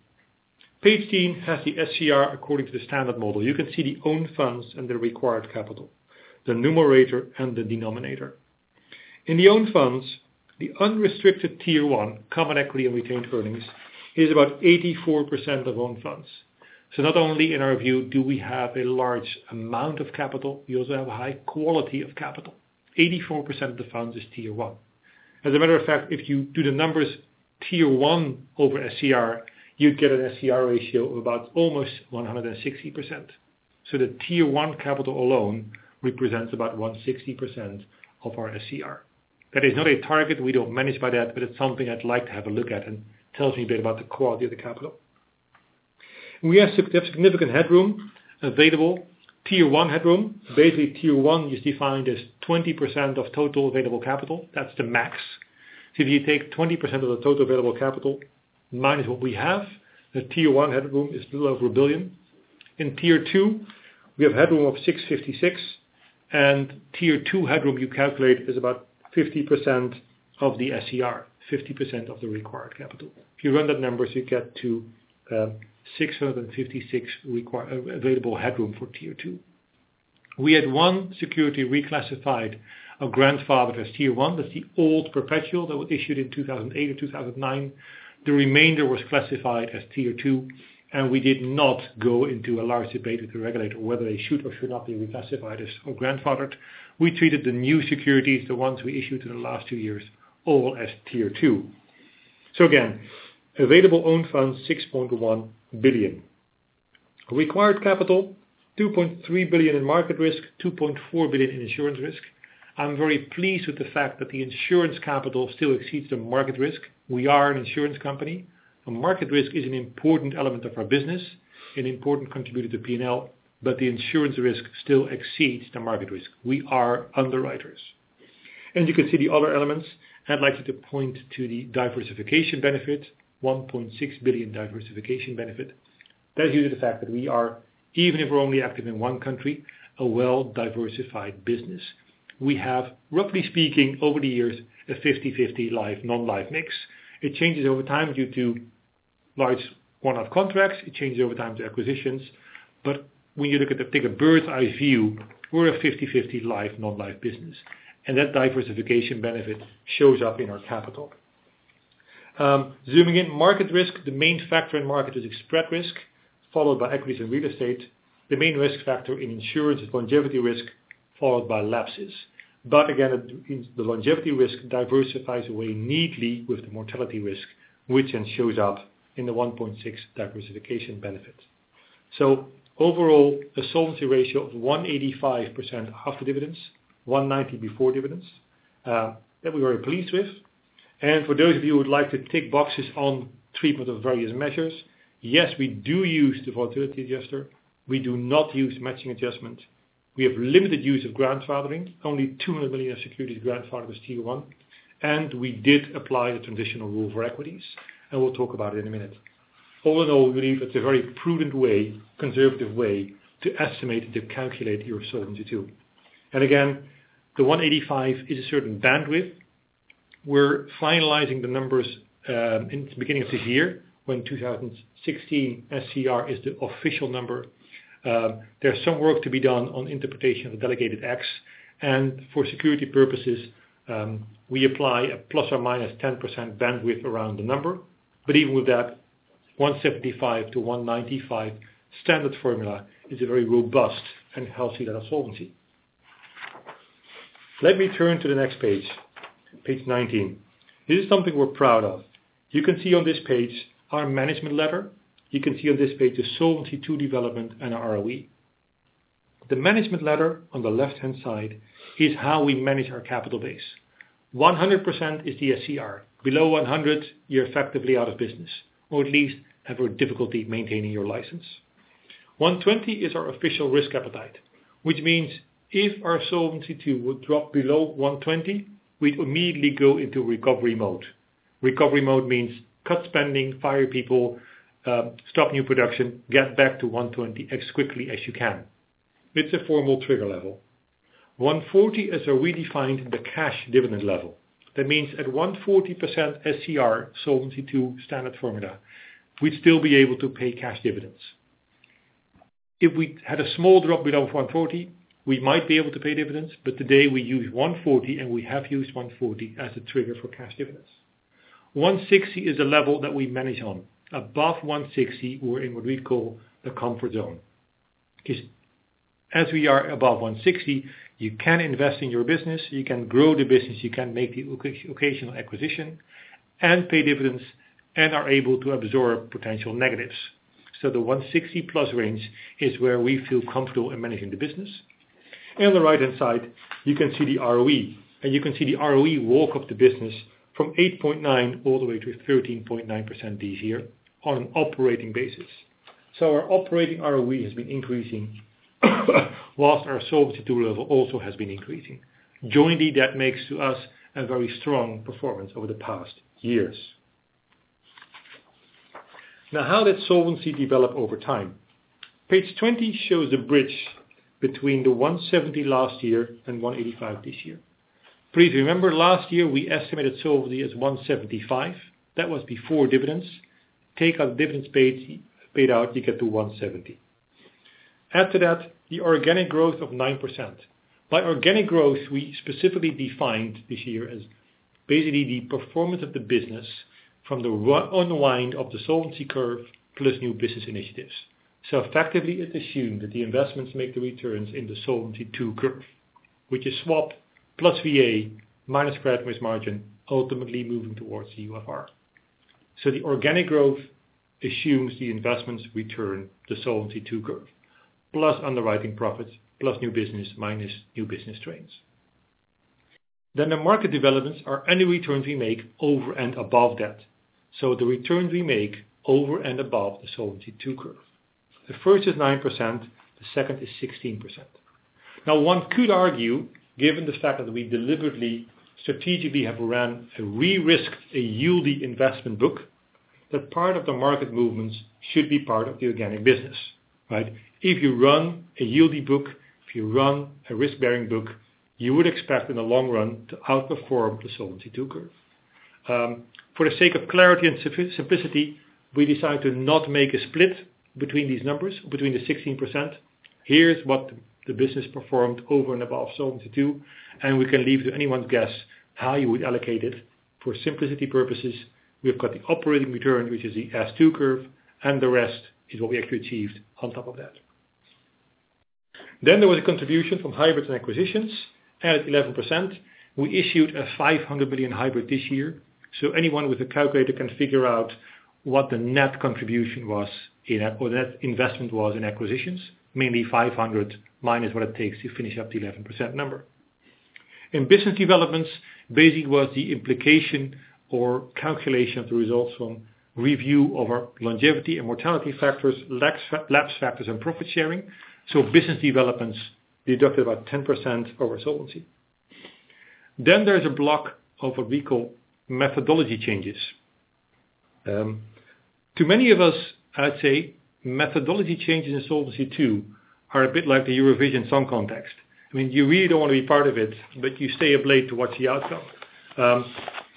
Page 18 has the SCR according to the standard model. You can see the own funds and the required capital, the numerator and the denominator. In the own funds, the unrestricted Tier 1, common equity and retained earnings, is about 84% of own funds. Not only in our view do we have a large amount of capital, we also have a high quality of capital. 84% of the fund is Tier 1. As a matter of fact, if you do the numbers Tier 1 over SCR, you would get an SCR ratio of about almost 160%. The Tier 1 capital alone represents about 160% of our SCR. That is not a target. We do not manage by that, but it is something I would like to have a look at and tells me a bit about the quality of the capital. We have significant headroom available. Tier 1 headroom. Basically, Tier 1 is defined as 20% of total available capital. That is the max. If you take 20% of the total available capital minus what we have, the Tier 1 headroom is a little over 1 billion. In Tier 2, we have headroom of 656, and Tier 2 headroom you calculate is about 50% of the SCR, 50% of the required capital. If you run the numbers, you get to 656 available headroom for Tier 2. We had one security reclassified or grandfathered as Tier 1. That is the old perpetual that was issued in 2008 or 2009. The remainder was classified as Tier 2, and we did not go into a large debate with the regulator whether they should or should not be reclassified as or grandfathered. We treated the new securities, the ones we issued in the last two years, all as Tier 2. Again, available own funds 6.1 billion. Required capital, 2.3 billion in market risk, 2.4 billion in insurance risk. I am very pleased with the fact that the insurance capital still exceeds the market risk. We are an insurance company. A market risk is an important element of our business, an important contributor to P&L, but the insurance risk still exceeds the market risk. We are underwriters. You can see the other elements. I'd like you to point to the diversification benefit, 1.6 billion diversification benefit. That's due to the fact that we are, even if we're only active in one country, a well-diversified business. We have, roughly speaking, over the years, a 50/50 life, non-life mix. It changes over time due to large one-off contracts, it changes over time to acquisitions. When you look at the bigger bird's eye view, we're a 50/50 life non-life business, and that diversification benefit shows up in our capital. Zooming in, market risk, the main factor in market is spread risk, followed by equity and real estate. The main risk factor in insurance is longevity risk, followed by lapses. Again, the longevity risk diversifies away neatly with the mortality risk, which then shows up in the 1.6 diversification benefits. Overall, a solvency ratio of 185% after dividends, 190% before dividends, that we were pleased with. For those of you who would like to tick boxes on treatment of various measures, yes, we do use the volatility adjuster. We do not use matching adjustment. We have limited use of grandfathering. Only 200 million of securities grandfather was Tier 1, we did apply the transitional rule for equities, we'll talk about it in a minute. All in all, we believe it's a very prudent way, conservative way to estimate and to calculate your Solvency II. Again, the 185 is a certain bandwidth. We're finalizing the numbers in the beginning of this year when 2016 SCR is the official number. There's some work to be done on interpretation of the delegated acts, for security purposes, we apply a ±10% bandwidth around the number. Even with that, 175%-195% standard formula is a very robust and healthy level of solvency. Let me turn to the next page 19. This is something we're proud of. You can see on this page our management lever. You can see on this page the Solvency II development and our ROE. The management lever on the left-hand side is how we manage our capital base. 100% is the SCR. Below 100%, you're effectively out of business or at least having difficulty maintaining your license. 120% is our official risk appetite, which means if our Solvency II would drop below 120%, we'd immediately go into recovery mode. Recovery mode means cut spending, fire people, stop new production, get back to 120% as quickly as you can. It's a formal trigger level. 140% as we defined the cash dividend level. That means at 140% SCR Solvency II standard formula, we'd still be able to pay cash dividends. If we had a small drop below 140%, we might be able to pay dividends, today we use 140% and we have used 140% as a trigger for cash dividends. 160% is a level that we manage on. Above 160%, we're in what we'd call the comfort zone. As we are above 160%, you can invest in your business, you can grow the business, you can make the occasional acquisition, pay dividends and are able to absorb potential negatives. The 160%-plus range is where we feel comfortable in managing the business. On the right-hand side, you can see the ROE, you can see the ROE walk up the business from 8.9% all the way to 13.9% this year on an operating basis. Our operating ROE has been increasing while our Solvency II level also has been increasing. Jointly, that makes to us a very strong performance over the past years. How did solvency develop over time? Page 20 shows the bridge between the 170 last year and 185 this year. Please remember, last year, we estimated solvency as 175. That was before dividends. Take out the dividends paid out, you get to 170. Add to that the organic growth of 9%. By organic growth, we specifically defined this year as basically the performance of the business from the unwind of the Solvency II curve plus new business initiatives. Effectively, it is assumed that the investments make the returns in the Solvency II curve, which is swap plus VA minus credit risk margin, ultimately moving towards UFR. The organic growth assumes the investments return the Solvency II curve, plus underwriting profits, plus new business, minus new business trends. The market developments are any returns we make over and above that. The returns we make over and above the Solvency II curve. The first is 9%, the second is 16%. One could argue, given the fact that we deliberately, strategically have run a re-risk, a yieldy investment book, that part of the market movements should be part of the organic business, right? If you run a yieldy book, if you run a risk-bearing book, you would expect in the long run to outperform the Solvency II curve. For the sake of clarity and simplicity, we decided to not make a split between these numbers, between the 16%. Here's what the business performed over and above Solvency II, and we can leave to anyone's guess how you would allocate it. For simplicity purposes, we've got the operating return, which is the S2 curve, and the rest is what we actually achieved on top of that. There was a contribution from hybrids and acquisitions. At 11%, we issued a 500 million hybrid this year, anyone with a calculator can figure out what the net contribution was or net investment was in acquisitions, mainly 500 minus what it takes to finish up the 11% number. In business developments, basically was the implication or calculation of the results from review of our longevity and mortality factors, lapse factors and profit sharing. Business developments deducted about 10% of our solvency. There's a block of what we call methodology changes. To many of us, I'd say methodology changes in Solvency II are a bit like the Eurovision Song Contest. You really don't want to be part of it, but you stay up late to watch the outcome.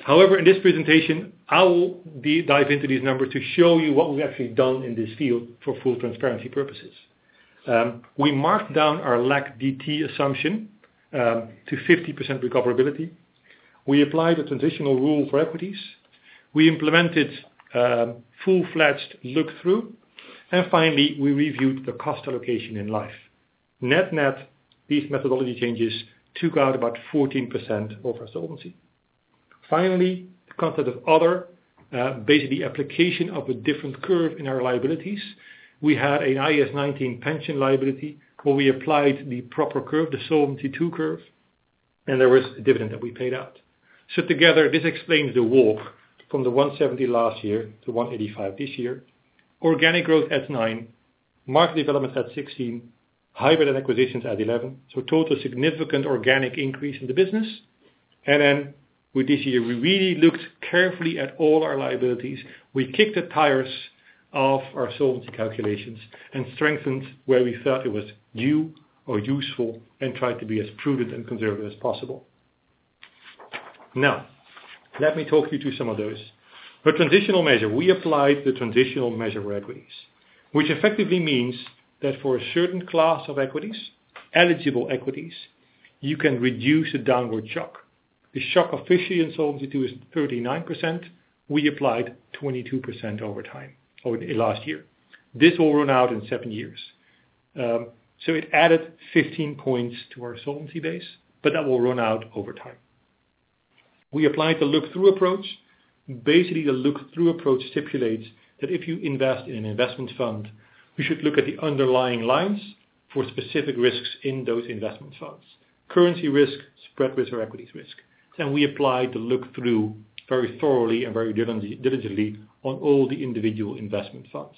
In this presentation, I will deep dive into these numbers to show you what we've actually done in this field for full transparency purposes. We marked down our LAC-DT assumption to 50% recoverability. We applied a transitional rule for equities. We implemented a full-fledged look-through, and finally, we reviewed the cost allocation in life. Net-net, these methodology changes took out about 14% of our solvency. Finally, the concept of other, basically application of a different curve in our liabilities. We had an IAS 19 pension liability, where we applied the proper curve, the Solvency II curve, and there was a dividend that we paid out. Together, this explains the walk from the 170 last year to 185 this year. Organic growth at nine, market development at 16, hybrid and acquisitions at 11. Total significant organic increase in the business. With this year, we really looked carefully at all our liabilities. We kicked the tires of our Solvency calculations and strengthened where we felt it was new or useful and tried to be as prudent and conservative as possible. Let me talk you through some of those. The transitional measure. We applied the transitional measure for equities, which effectively means that for a certain class of equities, eligible equities, you can reduce a downward shock. The shock officially in Solvency II is 39%. We applied 22% over time or last year. This will run out in seven years. It added 15 points to our Solvency base, but that will run out over time. We applied the look-through approach. The look-through approach stipulates that if you invest in an investment fund, we should look at the underlying lines for specific risks in those investment funds. Currency risk, spread risk, or equities risk. We applied the look-through very thoroughly and very diligently on all the individual investment funds.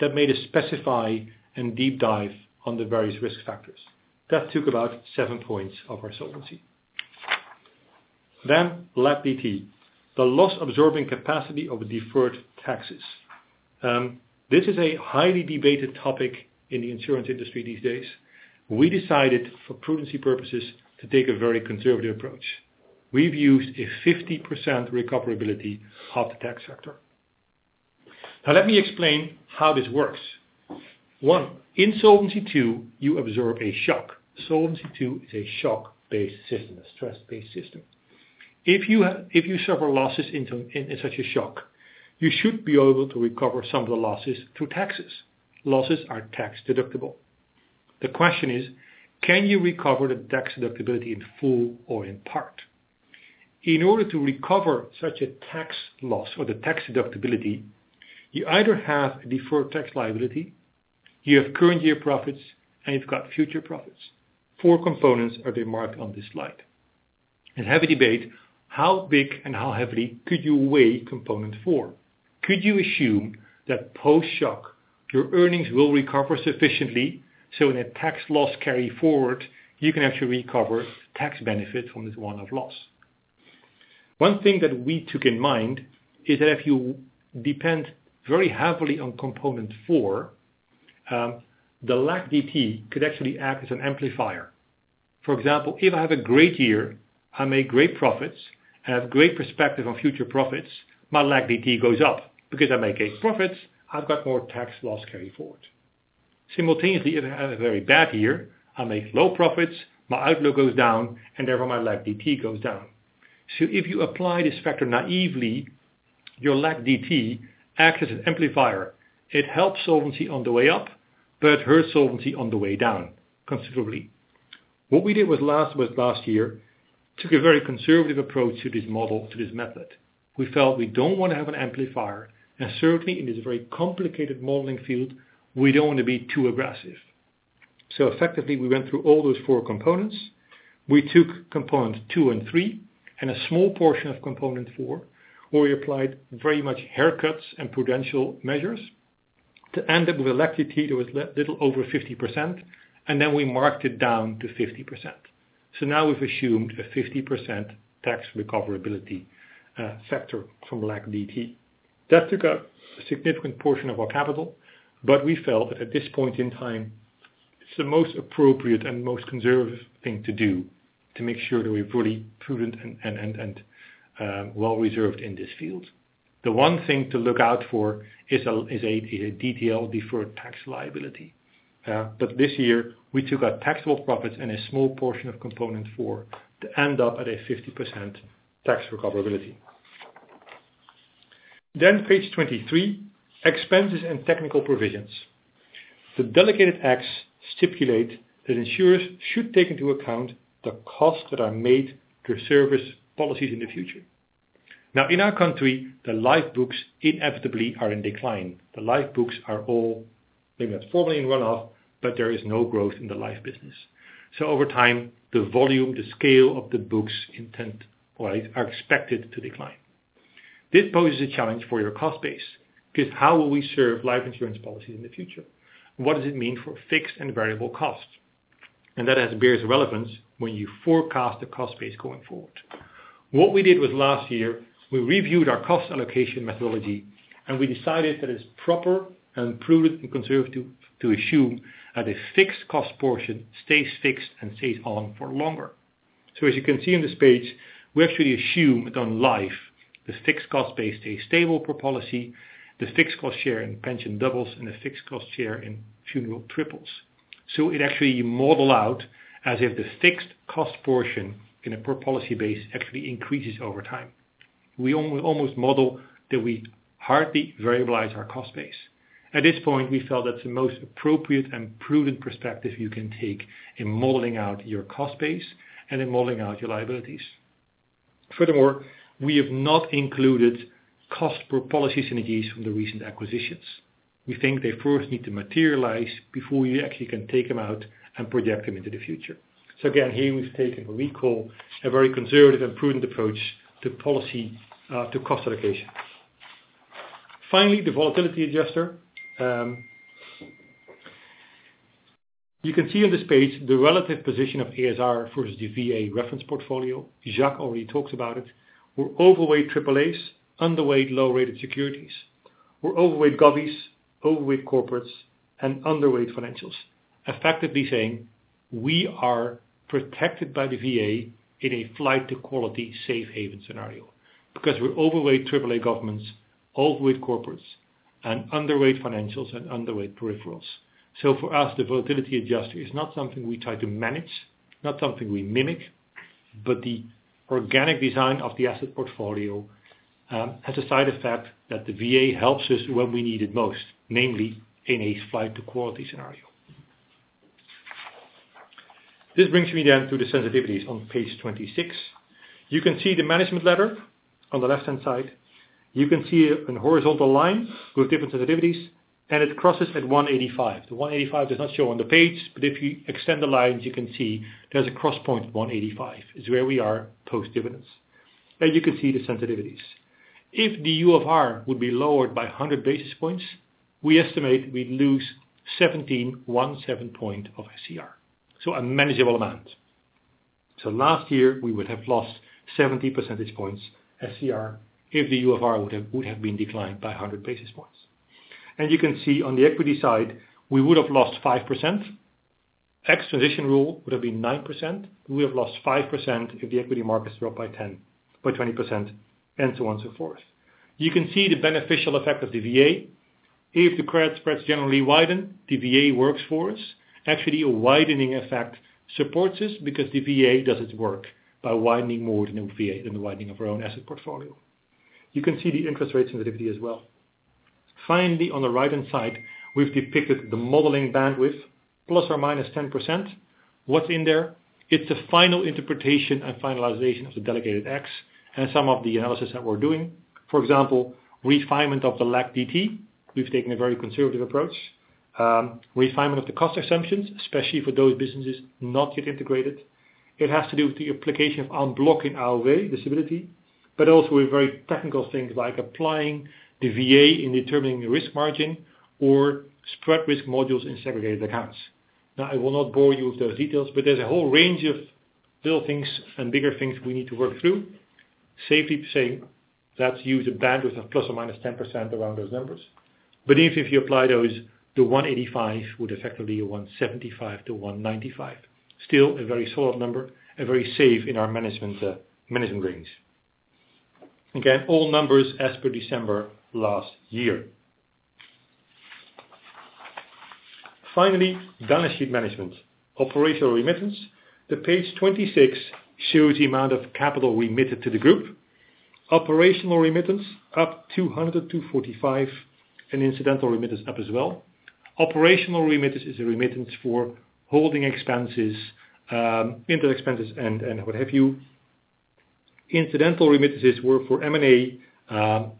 That made us specify and deep dive on the various risk factors. That took about seven points of our Solvency. LAC-DT, the loss absorbing capacity of deferred taxes. This is a highly debated topic in the insurance industry these days. We decided, for prudency purposes, to take a very conservative approach. We've used a 50% recoverability of the tax sector. Let me explain how this works. One, in Solvency II, you absorb a shock. Solvency II is a shock-based system, a stress-based system. If you suffer losses in such a shock, you should be able to recover some of the losses through taxes. Losses are tax-deductible. The question is: Can you recover the tax deductibility in full or in part? In order to recover such a tax loss or the tax deductibility, you either have a deferred tax liability, you have current year profits, and you've got future profits. 4 components are marked on this slide. Heavy debate, how big and how heavily could you weigh component 4? Could you assume that post-shock, your earnings will recover sufficiently, so in a tax loss carry forward, you can actually recover tax benefit from this one-off loss. One thing that we took in mind is that if you depend very heavily on component 4, the LAC-DT could actually act as an amplifier. For example, if I have a great year, I make great profits and have great perspective on future profits, my LAC-DT goes up. Because I make profits, I've got more tax loss carry forward. Simultaneously, if I have a very bad year, I make low profits, my outlook goes down, and therefore my LAC-DT goes down. If you apply this factor naively, your LAC-DT acts as an amplifier. It helps Solvency on the way up, but hurts Solvency on the way down considerably. What we did last year, took a very conservative approach to this model, to this method. We felt we don't want to have an amplifier, and certainly in this very complicated modeling field, we don't want to be too aggressive. Effectively, we went through all those 4 components. We took components two and three and a small portion of component four, where we applied very much haircuts and prudential measures to end up with a LAC-DT that was a little over 50%, and then we marked it down to 50%. Now we've assumed a 50% tax recoverability factor from LAC-DT. That took a significant portion of our capital, but we felt that at this point in time, it's the most appropriate and most conservative thing to do to make sure that we're pretty prudent and well reserved in this field. The one thing to look out for is a DTL, deferred tax liability. This year, we took out taxable profits and a small portion of component four to end up at a 50% tax recoverability. Page 23, expenses and technical provisions. The delegated acts stipulate that insurers should take into account the costs that are made to service policies in the future. In our country, the life books inevitably are in decline. The life books are all, maybe not falling in one-off, but there is no growth in the life business. Over time, the volume, the scale of the books intent are expected to decline. This poses a challenge for your cost base, because how will we serve life insurance policies in the future? What does it mean for fixed and variable costs? That has various relevance when you forecast the cost base going forward. What we did with last year, we reviewed our cost allocation methodology, and we decided that it's proper and prudent and conservative to assume that a fixed cost portion stays fixed and stays on for longer. As you can see on this page, we actually assume that on life, the fixed cost base stays stable per policy, the fixed cost share in pension doubles, and the fixed cost share in funeral triples. It actually model out as if the fixed cost portion in a per policy base actually increases over time. We almost model that we hardly variabilize our cost base. At this point, we feel that's the most appropriate and prudent perspective you can take in modeling out your cost base and in modeling out your liabilities. Furthermore, we have not included cost per policy synergies from the recent acquisitions. We think they first need to materialize before you actually can take them out and project them into the future. Again, here we've taken a very conservative and prudent approach to cost allocation. Finally, the volatility adjuster. You can see on this page the relative position of ASR versus the VA reference portfolio. Jack already talked about it. We're overweight AAAs, underweight low-rated securities. We're overweight govies, overweight corporates, and underweight financials, effectively saying we are protected by the VA in a flight to quality safe haven scenario because we're overweight AAA governments, overweight corporates, and underweight financials and underweight peripherals. For us, the volatility adjuster is not something we try to manage, not something we mimic, but the organic design of the asset portfolio, has a side effect that the VA helps us when we need it most, namely in a flight to quality scenario. This brings me then to the sensitivities on page 26. You can see the management letter on the left-hand side. You can see a horizontal line with different sensitivities, and it crosses at 185. The 185 does not show on the page, but if you extend the lines, you can see there's a cross point 185, is where we are post-dividends. You can see the sensitivities. If the UFR would be lowered by 100 basis points, we estimate we'd lose 17, one seven point of SCR. A manageable amount. Last year, we would have lost 70 percentage points SCR if the UFR would have been declined by 100 basis points. You can see on the equity side, we would have lost 5%. Ex transition rule would have been 9%. We would have lost 5% if the equity markets dropped by 10%, by 20%, and so on and so forth. You can see the beneficial effect of the VA. If the credit spreads generally widen, the VA works for us. Actually, a widening effect supports us because the VA does its work by widening more than the VA, than the widening of our own asset portfolio. You can see the interest rate sensitivity as well. Finally, on the right-hand side, we've depicted the modeling bandwidth, plus or minus 10%. What's in there? It's a final interpretation and finalization of the delegated acts and some of the analysis that we're doing. For example, refinement of the LAC DT. We've taken a very conservative approach. Refinement of the cost assumptions, especially for those businesses not yet integrated. It has to do with the application of (unbundling our way, this ability), but also with very technical things like applying the VA in determining the risk margin or spread risk modules in segregated accounts. I will not bore you with those details. There's a whole range of little things and bigger things we need to work through. Safely saying, let's use a bandwidth of plus or minus 10% around those numbers. Even if you apply those, the 185 would effectively be 175-195. Still a very solid number and very safe in our management range. Again, all numbers as per December last year. Finally, balance sheet management. Operational remittance. The page 26 shows the amount of capital remitted to the group. Operational remittance up 200 to 245 million, and incidental remittance up as well. Operational remittance is a remittance for holding expenses, inter expenses and what have you. Incidental remittances were for M&A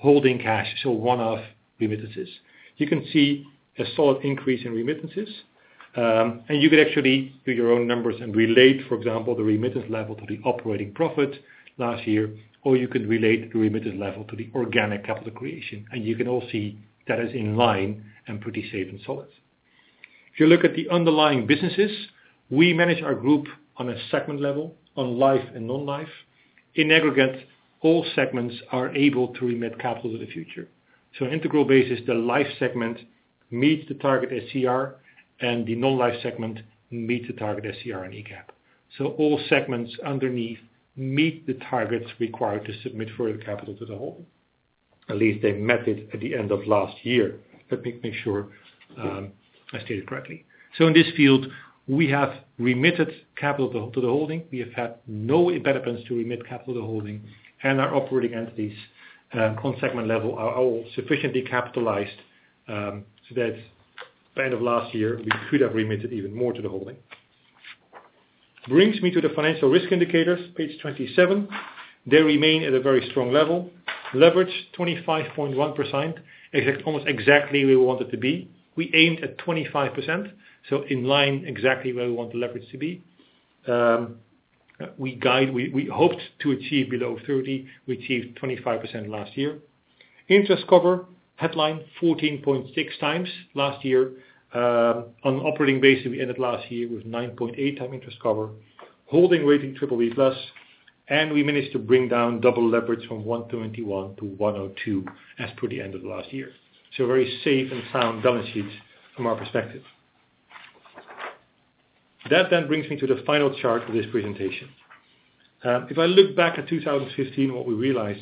holding cash. One-off remittances. You can see a solid increase in remittances. You could actually do your own numbers and relate, for example, the remittance level to the operating profit last year, or you could relate the remittance level to the organic capital creation. You can all see that is in line and pretty safe and solid. If you look at the underlying businesses, we manage our group on a segment level on life and non-life. In aggregate, all segments are able to remit capital to the future. Integral base is the life segment meets the target SCR and the non-life segment meets the target SCR and ECAP. All segments underneath meet the targets required to submit further capital to the whole. At least they met it at the end of last year. Let me make sure, I stated correctly. In this field, we have remitted capital to the holding. We have had no impediments to remit capital to the holding, and our operating entities, on segment level, are all sufficiently capitalized, so that by end of last year, we could have remitted even more to the holding. This brings me to the financial risk indicators, page 27. They remain at a very strong level. Leverage, 25.1%, almost exactly where we want it to be. We aimed at 25%, in line exactly where we want the leverage to be. We hoped to achieve below 30. We achieved 25% last year. Interest cover headline 14.6 times last year. On an operating basis, we ended last year with 9.8 times interest cover, holding rating triple B plus, and we managed to bring down double leverage from 121 to 102 as per the end of last year. A very safe and sound balance sheet from our perspective. This brings me to the final chart of this presentation. If I look back at 2015, what we realized,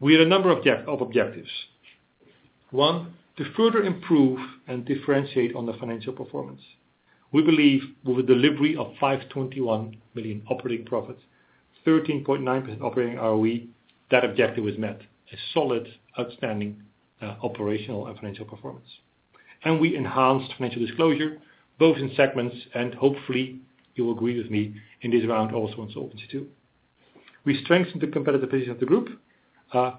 we had a number of objectives. One, to further improve and differentiate on the financial performance. We believe with a delivery of 521 million operating profit, 13.9% operating ROE, that objective was met. A solid, outstanding, operational and financial performance. We enhanced financial disclosure both in segments and hopefully you will agree with me in this round also on Solvency II. We strengthened the competitive position of the group,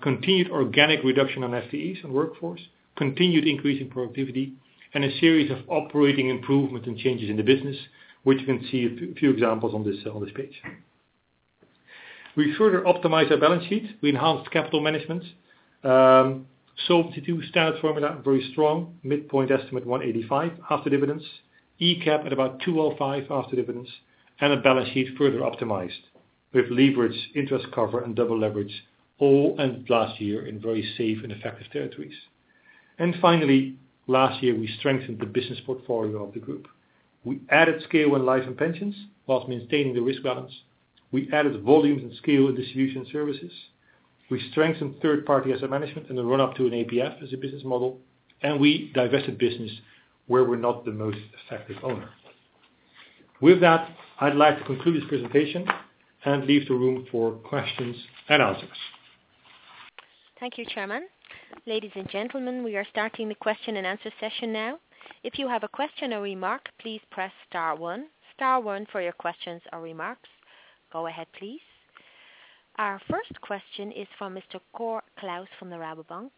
continued organic reduction on FTEs and workforce, continued increase in productivity, and a series of operating improvements and changes in the business, which you can see a few examples on this page. We further optimized our balance sheet. We enhanced capital management. Solvency II standard formula, very strong, midpoint estimate 185 after dividends, ECAP at about 205 after dividends, a balance sheet further optimized with leverage interest cover and double leverage all ended last year in very safe and effective territories. Finally, last year, we strengthened the business portfolio of the group. We added scale in life and pensions whilst maintaining the risk balance. We added volumes and scale in distribution services. We strengthened third-party asset management in the run-up to an APF as a business model. We divested business where we are not the most effective owner. With that, I would like to conclude this presentation and leave the room for questions and answers. Thank you, Chairman. Ladies and gentlemen, we are starting the question and answer session now. If you have a question or remark, please press star one. Star one for your questions or remarks. Go ahead, please. Our first question is from Mr. Cor Kluis from the Rabobank.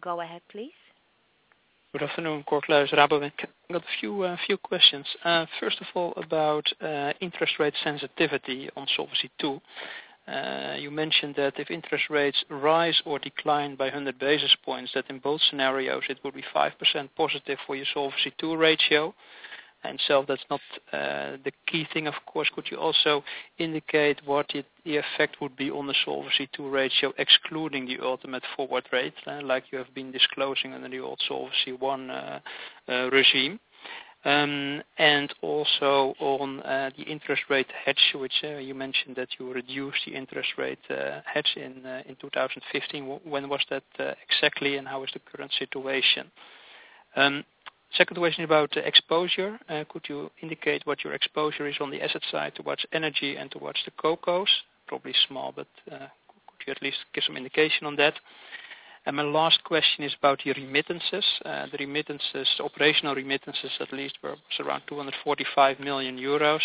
Go ahead, please. Good afternoon, Cor Kluis, Rabobank. Got a few questions. First of all, about interest rate sensitivity on Solvency II. You mentioned that if interest rates rise or decline by 100 basis points, that in both scenarios it will be 5% positive for your Solvency II ratio. That's not the key thing, of course. Could you also indicate what the effect would be on the Solvency II ratio, excluding the ultimate forward rate, like you have been disclosing under the old Solvency I regime? Also on the interest rate hedge, which you mentioned that you reduced the interest rate hedge in 2015. When was that exactly, and how is the current situation? Second question about exposure. Could you indicate what your exposure is on the asset side towards energy and towards the CoCos? Probably small, but could you at least give some indication on that? My last question is about your remittances. The remittances, operational remittances, at least, were around 245 million euros.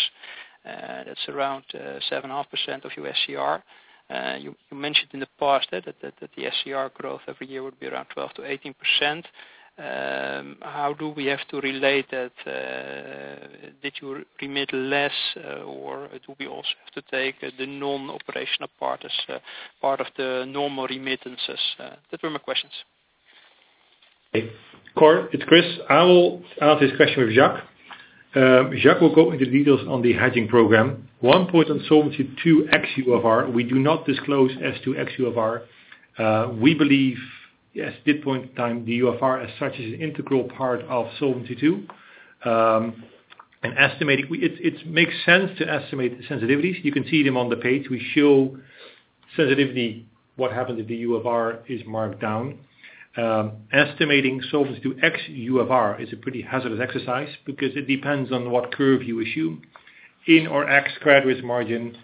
That's around 7.5% of your SCR. You mentioned in the past that the SCR growth every year would be around 12%-18%. How do we have to relate that? Did you remit less or do we also have to take the non-operational part as part of the normal remittances? Those were my questions. Cor, it's Chris. I will ask this question with Jack. Jack will go into details on the hedging program. One point on Solvency II ex UFR, we do not disclose S2 ex UFR. We believe as midpoint time, the UFR as such is an integral part of Solvency II. It makes sense to estimate sensitivities. You can see them on the page. We show sensitivity, what happened if the UFR is marked down. Estimating Solvency II ex UFR is a pretty hazardous exercise because it depends on what curve you assume, in or ex credit risk margin.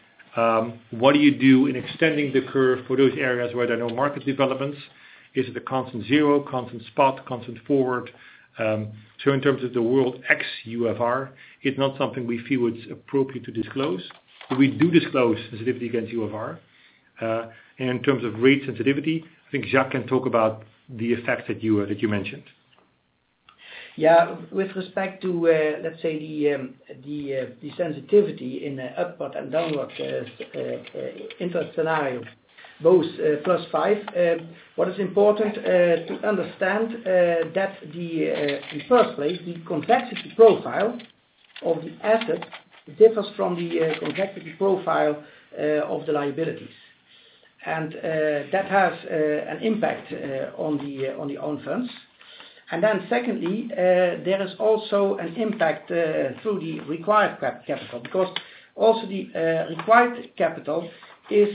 What do you do in extending the curve for those areas where there are no market developments? Is it a constant zero, constant spot, constant forward? In terms of the world ex UFR, it's not something we feel it's appropriate to disclose. But we do disclose sensitivity against UFR. In terms of rate sensitivity, I think Jack can talk about the effect that you mentioned. Yeah. With respect to, let's say the sensitivity in upward and downward interest scenario, both +5. What is important to understand that in first place, the convexity profile of the asset differs from the convexity profile of the liabilities. That has an impact on the own funds. Secondly, there is also an impact through the required capital, because also the required capital is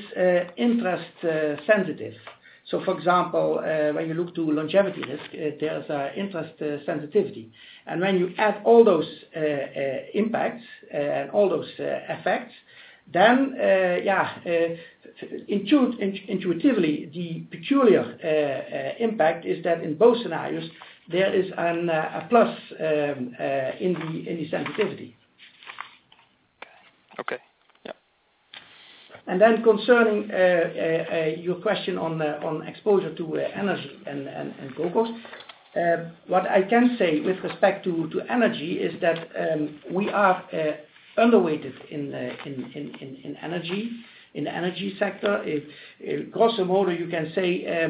interest sensitive. For example, when you look to longevity risk, there is interest sensitivity. When you add all those impacts and all those effects, intuitively, the peculiar impact is that in both scenarios, there is a plus in the sensitivity. Okay. Yeah. Concerning your question on exposure to energy and CoCos. What I can say with respect to energy is that we are underweighted in the energy sector. Grosso modo, you can say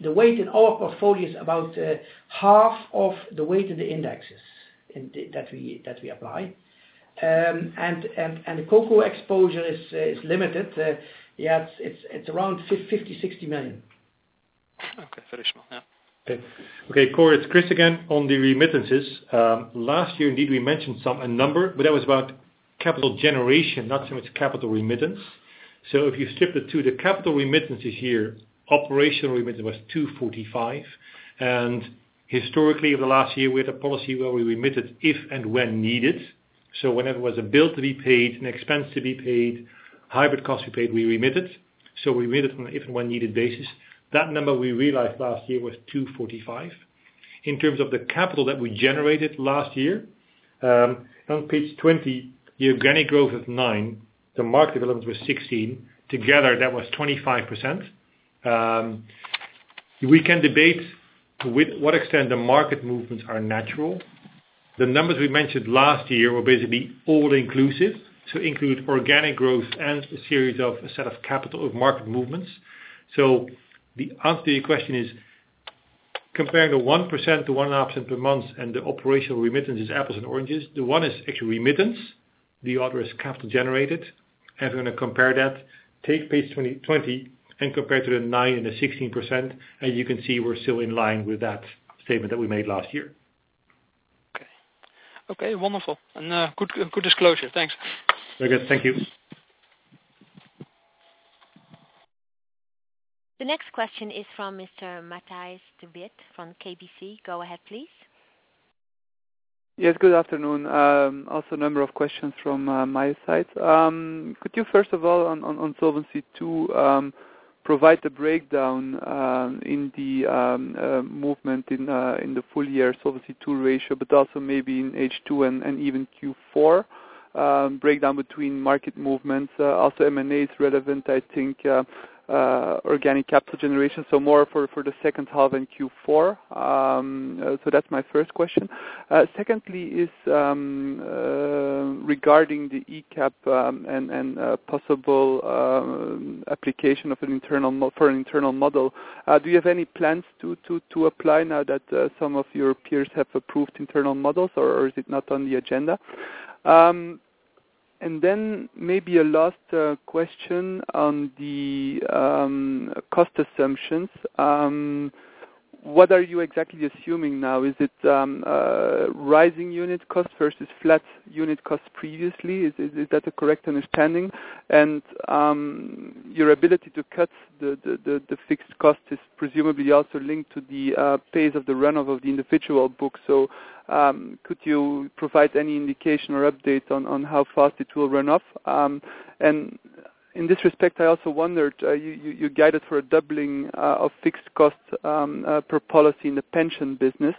the weight in our portfolio is about half of the weight of the indexes that we apply. The CoCos exposure is limited. It is around 50 million-60 million. Okay. Very small. Yeah. Okay. Cor, it's Chris again. On the remittances. Last year, indeed, we mentioned a number, but that was about capital generation, not so much capital remittance. If you strip the two, the capital remittances here, operational remittance was 245. Historically, over the last year, we had a policy where we remitted if and when needed. Whenever there was a bill to be paid, an expense to be paid, hybrid cost to be paid, we remitted. We remitted on an if and when needed basis. That number we realized last year was 245. In terms of the capital that we generated last year, on page 20, the organic growth was 9%, the market development was 16%. Together, that was 25%. We can debate to what extent the market movements are natural. The numbers we mentioned last year were basically all inclusive, to include organic growth and a set of capital of market movements. The answer to your question is, comparing the 1% to one option per month and the operational remittance is apples and oranges. The one is actually remittance, the other is capital generated. If you want to compare that, take page 20 and compare to the 9% and the 16%, and you can see we're still in line with that statement that we made last year. Okay. Wonderful. Good disclosure. Thank you. Very good. Thank you. The next question is from Mr. Matthias De Bidt from KBC. Go ahead, please. Yes, good afternoon. Also a number of questions from my side. Could you first of all, on Solvency II, provide the breakdown in the movement in the full year Solvency II ratio, but also maybe in H2 and even Q4, breakdown between market movements. Also M&A is relevant, I think, organic capital generation, more for the second half in Q4. That's my first question. Secondly is regarding the ECAP and possible application for an internal model. Do you have any plans to apply now that some of your peers have approved internal models, or is it not on the agenda? Then maybe a last question on the cost assumptions. What are you exactly assuming now? Is it rising unit cost versus flat unit cost previously? Is that a correct understanding? Your ability to cut the fixed cost is presumably also linked to the pace of the run-off of the individual book. Could you provide any indication or update on how fast it will run off? In this respect, I also wondered, you guided for a doubling of fixed costs per policy in the pension business.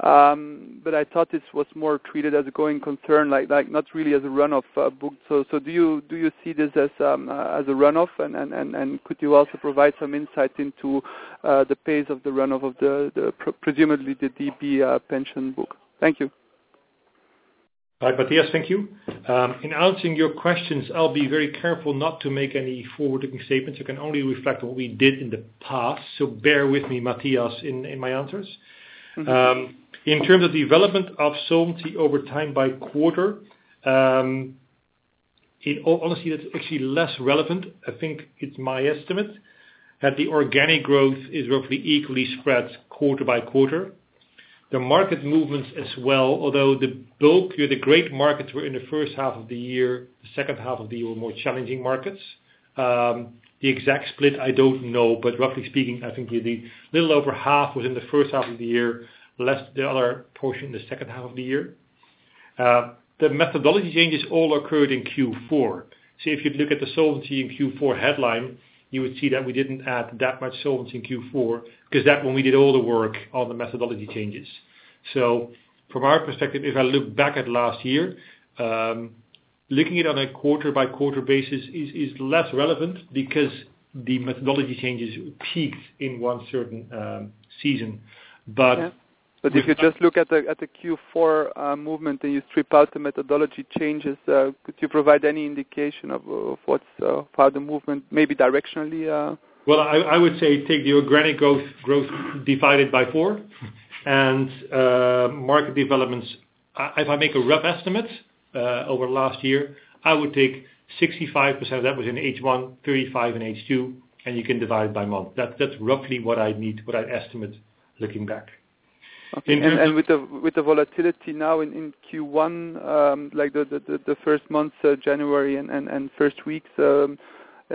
I thought this was more treated as a going concern, not really as a run-off book. Do you see this as a run-off, and could you also provide some insight into the pace of the run-off of presumably the DB pension book? Thank you. Hi, Matthias. Thank you. In answering your questions, I'll be very careful not to make any forward-looking statements. I can only reflect on what we did in the past, bear with me, Matthias, in my answers. In terms of the development of solvency over time by quarter. Honestly, that’s actually less relevant. I think it’s my estimate that the organic growth is roughly equally spread quarter by quarter. The market movements as well, although the bulk or the great markets were in the first half of the year, the second half of the year were more challenging markets. The exact split I don’t know, but roughly speaking, I think it’d be little over half was in the first half of the year, the other portion in the second half of the year. The methodology changes all occurred in Q4. If you’d look at the solvency in Q4 headline, you would see that we didn’t add that much solvency in Q4 because that’s when we did all the work on the methodology changes. From our perspective, if I look back at last year, looking it on a quarter-by-quarter basis is less relevant because the methodology changes peaked in one certain season. Yeah. If you just look at the Q4 movement, and you strip out the methodology changes, could you provide any indication of the movement, maybe directionally? Well, I would say take the organic growth divided by four, and market developments. If I make a rough estimate over last year, I would take 65% of that was in H1, 35 in H2, and you can divide it by month. That’s roughly what I’d estimate looking back. Okay. With the volatility now in Q1, like the first month, so January, and first weeks, any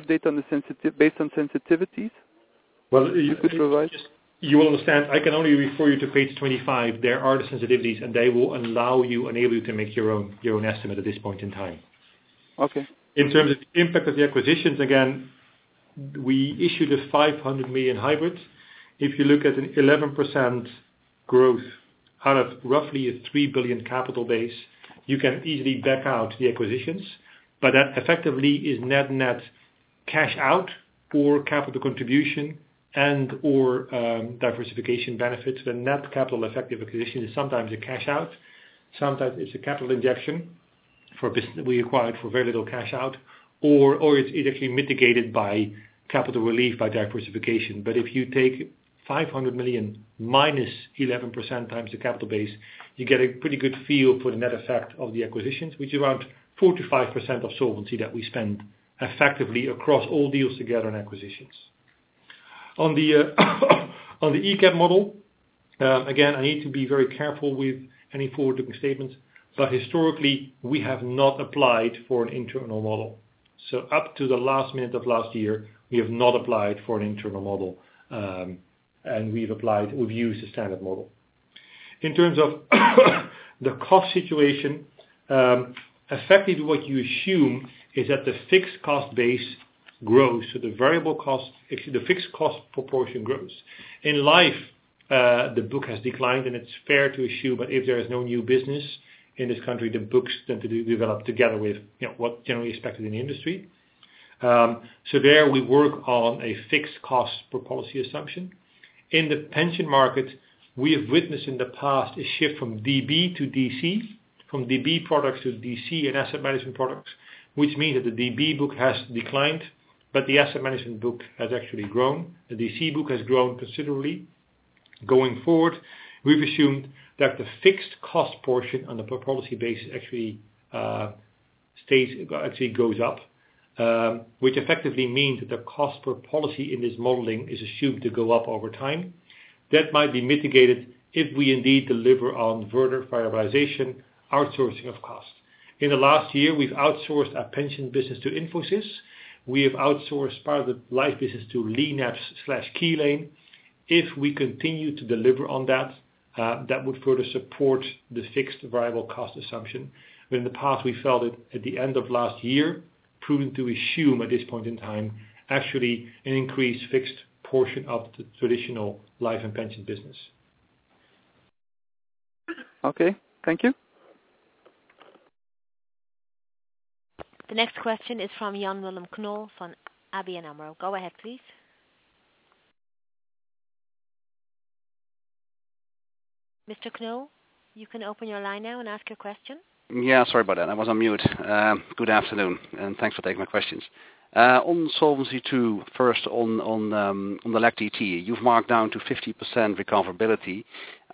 update based on sensitivities you could provide? Well, you understand, I can only refer you to page 25. There are the sensitivities, they will enable you to make your own estimate at this point in time. Okay. In terms of the impact of the acquisitions, We issued a 500 million hybrid. If you look at an 11% growth out of roughly a 3 billion capital base, you can easily back out the acquisitions, that effectively is net cash out for capital contribution and/or diversification benefits. The net capital effective acquisition is sometimes a cash out, sometimes it's a capital injection for a business that we acquired for very little cash out or it's effectively mitigated by capital relief by diversification. If you take 500 million minus 11% times the capital base, you get a pretty good feel for the net effect of the acquisitions, which is around 45% of solvency that we spend effectively across all deals together in acquisitions. On the ECAP model, I need to be very careful with any forward-looking statements, historically, we have not applied for an internal model. Up to the last minute of last year, we have not applied for an internal model. We've used the standard model. In terms of the cost situation, effectively what you assume is that the fixed cost base grows, the fixed cost proportion grows. In life, the book has declined, it's fair to assume, if there is no new business in this country, the books tend to develop together with what's generally expected in the industry. There we work on a fixed cost per policy assumption. In the pension market, we have witnessed in the past a shift from DB to DC, from DB products to DC and asset management products, which means that the DB book has declined, but the asset management book has actually grown. The DC book has grown considerably. Going forward, we've assumed that the fixed cost portion on the per policy basis actually goes up which effectively means that the cost per policy in this modeling is assumed to go up over time. That might be mitigated if we indeed deliver on further variabilization, outsourcing of costs. In the last year, we've outsourced our pension business to Infosys. We have outsourced part of the life business to LeanApps/Keylane. If we continue to deliver on that would further support the fixed variable cost assumption. In the past, we felt it at the end of last year, prudent to assume at this point in time, actually an increased fixed portion of the traditional life and pension business. Thank you. The next question is from Jan Willem Knoll from ABN AMRO. Go ahead, please. Mr. Knoll, you can open your line now and ask your question. Yeah, sorry about that. I was on mute. Good afternoon. Thanks for taking my questions. On Solvency II, first on the LAC DT, you've marked down to 50% recoverability.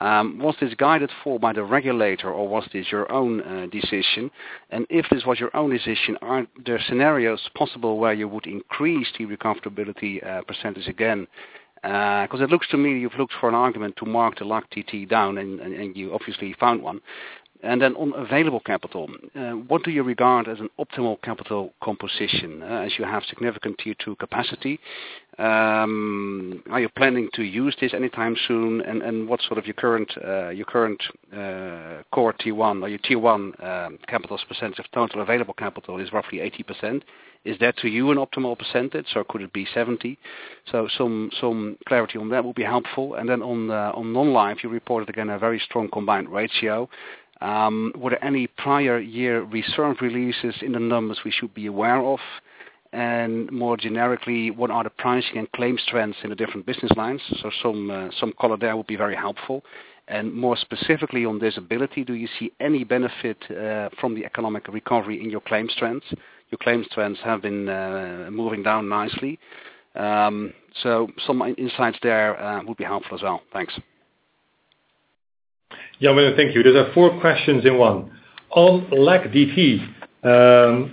Was this guided for by the regulator or was this your own decision? If this was your own decision, aren't there scenarios possible where you would increase the recoverability percentage again? You obviously found one. On available capital, what do you regard as an optimal capital composition as you have significant Tier 2 capacity? Are you planning to use this anytime soon? What's sort of your current core Tier 1 or your Tier 1 capitals percentage of total available capital is roughly 80%. Is that to you an optimal percentage, or could it be 70? Some clarity on that will be helpful. On non-life, you reported again a very strong combined ratio. Were there any prior year reserve releases in the numbers we should be aware of? More generically, what are the pricing and claims trends in the different business lines? Some color there would be very helpful. More specifically on disability, do you see any benefit from the economic recovery in your claims trends? Your claims trends have been moving down nicely. Some insights there would be helpful as well. Thanks. Jan Willem, thank you. Those are four questions in one. On LAC DT,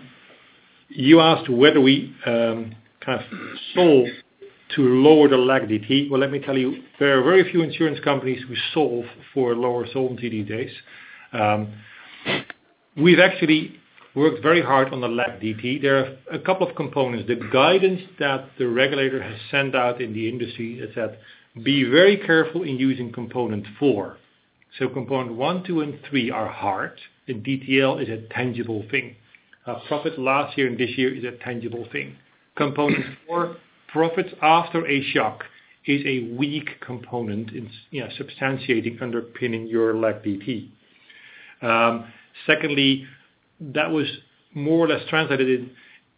you asked whether we kind of solved to lower the LAC DT. Well, let me tell you, there are very few insurance companies who solve for lower solvency these days. We've actually worked very hard on the LAC DT. There are a couple of components. The guidance that the regulator has sent out in the industry has said, "Be very careful in using component 4." Component 1, 2, and 3 are hard. DTL is a tangible thing. A profit last year and this year is a tangible thing. Component 4, profits after a shock is a weak component in substantiating underpinning your LAC DT. That was more or less translated in,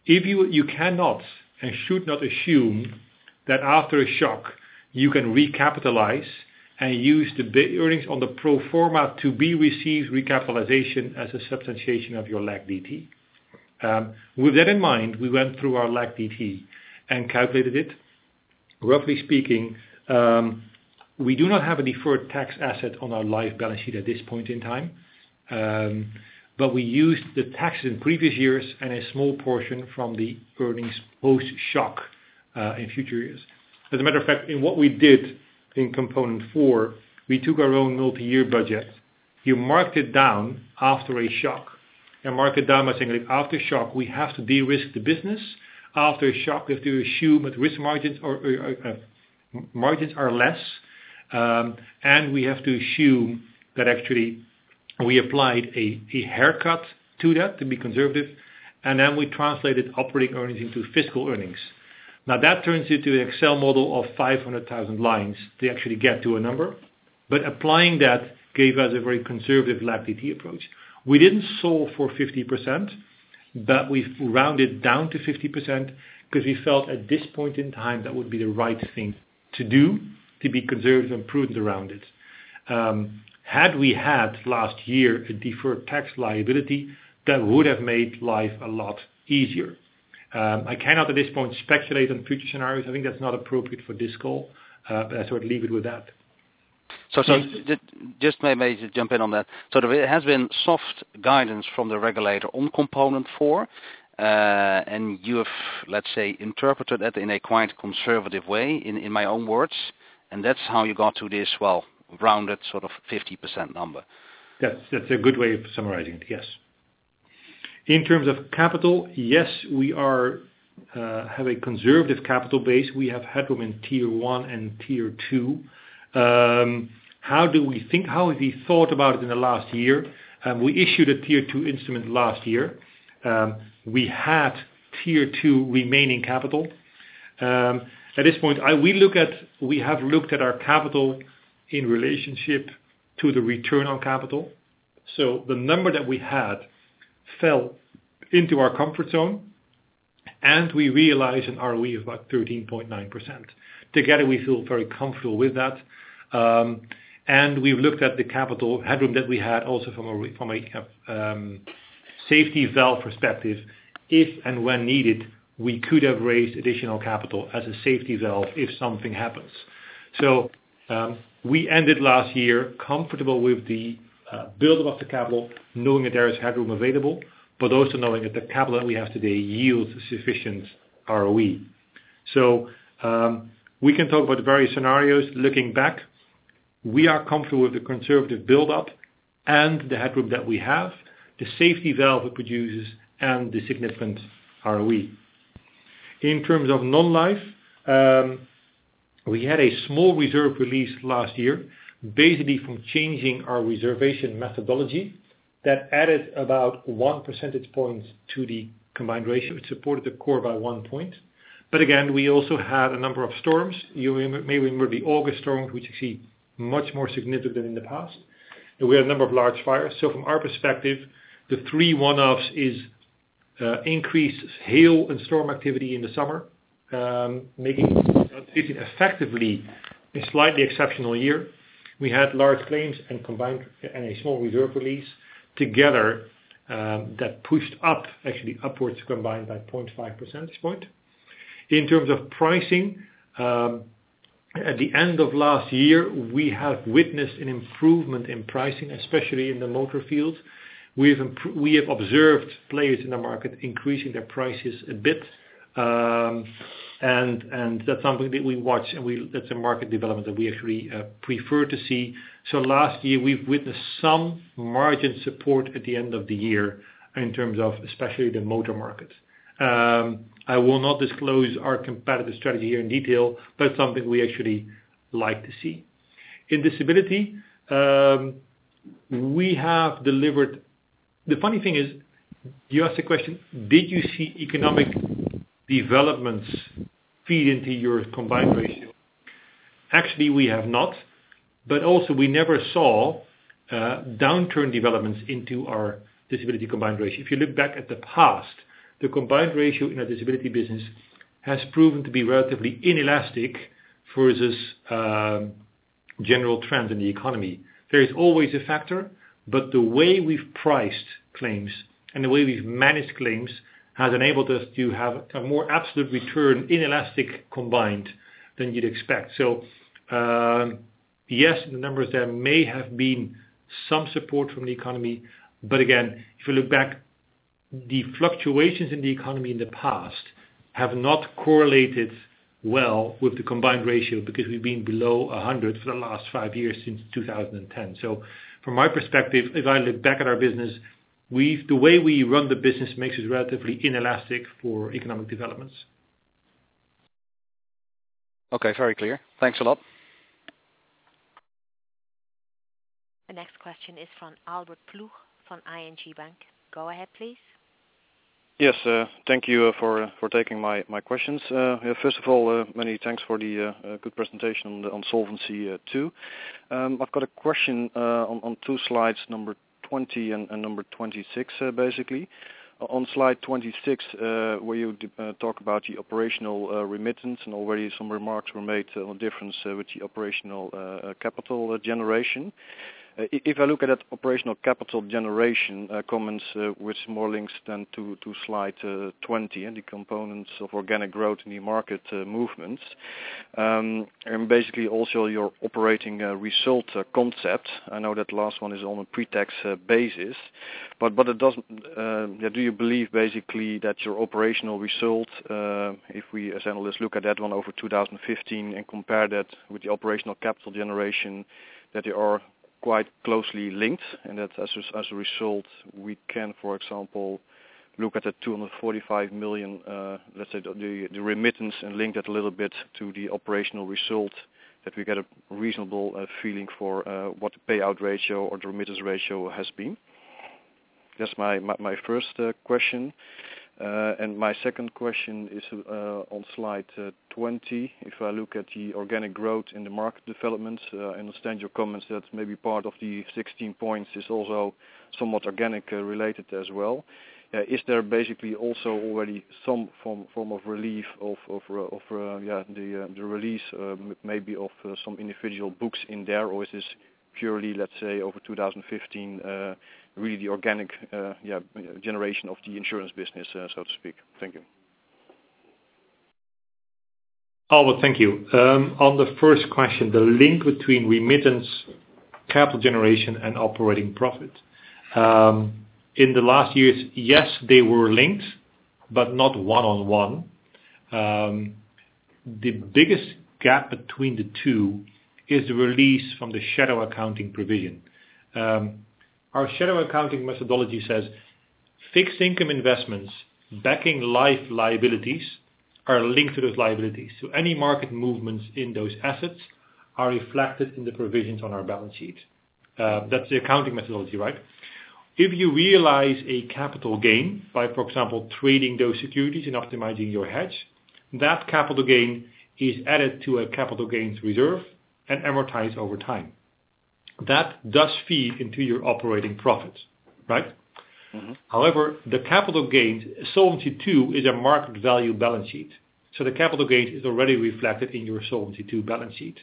if you cannot and should not assume that after a shock you can recapitalize and use the earnings on the pro forma to be received recapitalization as a substantiation of your LAC DT. With that in mind, we went through our LAC DT and calculated it. Roughly speaking, we do not have a deferred tax asset on our life balance sheet at this point in time. We used the taxes in previous years and a small portion from the earnings post-shock in future years. In what we did in component 4, we took our own multi-year budget. You marked it down after a shock, mark it down by saying, like after shock, we have to de-risk the business. After a shock, we have to assume that margins are less. We have to assume that actually we applied a haircut to that to be conservative, and then we translated operating earnings into fiscal earnings. That turns into an Excel model of 500,000 lines to actually get to a number. Applying that gave us a very conservative LAC-DT approach. We didn't solve for 50%, but we've rounded down to 50% because we felt at this point in time that would be the right thing to do to be conservative and prudent around it. Had we had last year a deferred tax liability, that would have made life a lot easier. I cannot at this point speculate on future scenarios. I think that's not appropriate for this call. I sort of leave it with that. Just may I just jump in on that. There has been soft guidance from the regulator on component 4. You have, let's say, interpreted that in a quite conservative way, in my own words, and that's how you got to this rounded sort of 50% number. That's a good way of summarizing it, yes. In terms of capital, yes, we have a conservative capital base. We have headroom in Tier 1 and Tier 2. How have we thought about it in the last year? We issued a Tier 2 instrument last year. We had Tier 2 remaining capital. At this point, we have looked at our capital in relationship to the return on capital. The number that we had fell into our comfort zone, and we realized an ROE of about 13.9%. Together, we feel very comfortable with that. We've looked at the capital headroom that we had also from a safety valve perspective. If and when needed, we could have raised additional capital as a safety valve if something happens. We ended last year comfortable with the buildup of the capital, knowing that there is headroom available, but also knowing that the capital that we have today yields sufficient ROE. We can talk about the various scenarios looking back. We are comfortable with the conservative buildup and the headroom that we have, the safety valve it produces, and the significant ROE. In terms of non-life, we had a small reserve release last year, basically from changing our reservation methodology that added about one percentage point to the combined ratio. It supported the core by one point. Again, we also had a number of storms. You may remember the August storms, which see much more significant than the past. We had a number of large fires. From our perspective, the three one-offs is increased hail and storm activity in the summer, making it effectively a slightly exceptional year. We had large claims and a small reserve release together, that pushed up actually upwards combined by 0.5 percentage point. In terms of pricing, at the end of last year, we have witnessed an improvement in pricing, especially in the motor field. We have observed players in the market increasing their prices a bit. That's something that we watch, and that's a market development that we actually prefer to see. Last year, we've witnessed some margin support at the end of the year in terms of especially the motor markets. I will not disclose our competitive strategy here in detail, but something we actually like to see. In disability, the funny thing is you asked the question, did you see economic developments feed into your combined ratio? Actually, we have not, but also we never saw downturn developments into our disability combined ratio. If you look back at the past, the combined ratio in our disability business has proven to be relatively inelastic versus general trends in the economy. There is always a factor, but the way we've priced claims and the way we've managed claims has enabled us to have a more absolute return inelastic combined than you'd expect. Yes, the numbers there may have been some support from the economy, but again, if you look back, the fluctuations in the economy in the past have not correlated well with the combined ratio because we've been below 100 for the last five years, since 2010. From my perspective, if I look back at our business, the way we run the business makes us relatively inelastic for economic developments. Okay. Very clear. Thanks a lot. The next question is from Albert Ploeg from ING Bank. Go ahead, please. Yes. Thank you for taking my questions. First of all, many thanks for the good presentation on Solvency II. I've got a question on two slides, number 20 and number 26, basically. On slide 26, where you talk about the operational remittance and already some remarks were made on difference with the operational capital generation. If I look at that operational capital generation comments with more links than to slide 20 and the components of organic growth in the market movements. Basically also your operating result concept. I know that last one is on a pre-tax basis. Do you believe basically that your operational result, if we as analysts look at that one over 2015 and compare that with the operational capital generation, that they are quite closely linked and that as a result, we can, for example look at the 245 million, let's say, the remittance, and link that a little bit to the operational result, that we get a reasonable feeling for what the payout ratio or the remittance ratio has been. That's my first question. My second question is on slide 20. If I look at the organic growth in the market developments, I understand your comments that maybe part of the 16 points is also somewhat organic related as well. Is there basically also already some form of relief of the release, maybe of some individual books in there, or is this purely, let's say, over 2015, really the organic generation of the insurance business, so to speak? Thank you. Albert, thank you. On the first question, the link between remittance, capital generation, and operating profit. In the last years, yes, they were linked, but not one-on-one. The biggest gap between the two is the release from the shadow accounting provision. Our shadow accounting methodology says fixed income investments, backing life liabilities are linked to those liabilities. Any market movements in those assets are reflected in the provisions on our balance sheet. That's the accounting methodology. If you realize a capital gain by, for example, trading those securities and optimizing your hedge, that capital gain is added to a capital gains reserve and amortized over time. That does feed into your operating profit, right? However, the capital gains, Solvency II is a market value balance sheet. The capital gain is already reflected in your Solvency II balance sheet.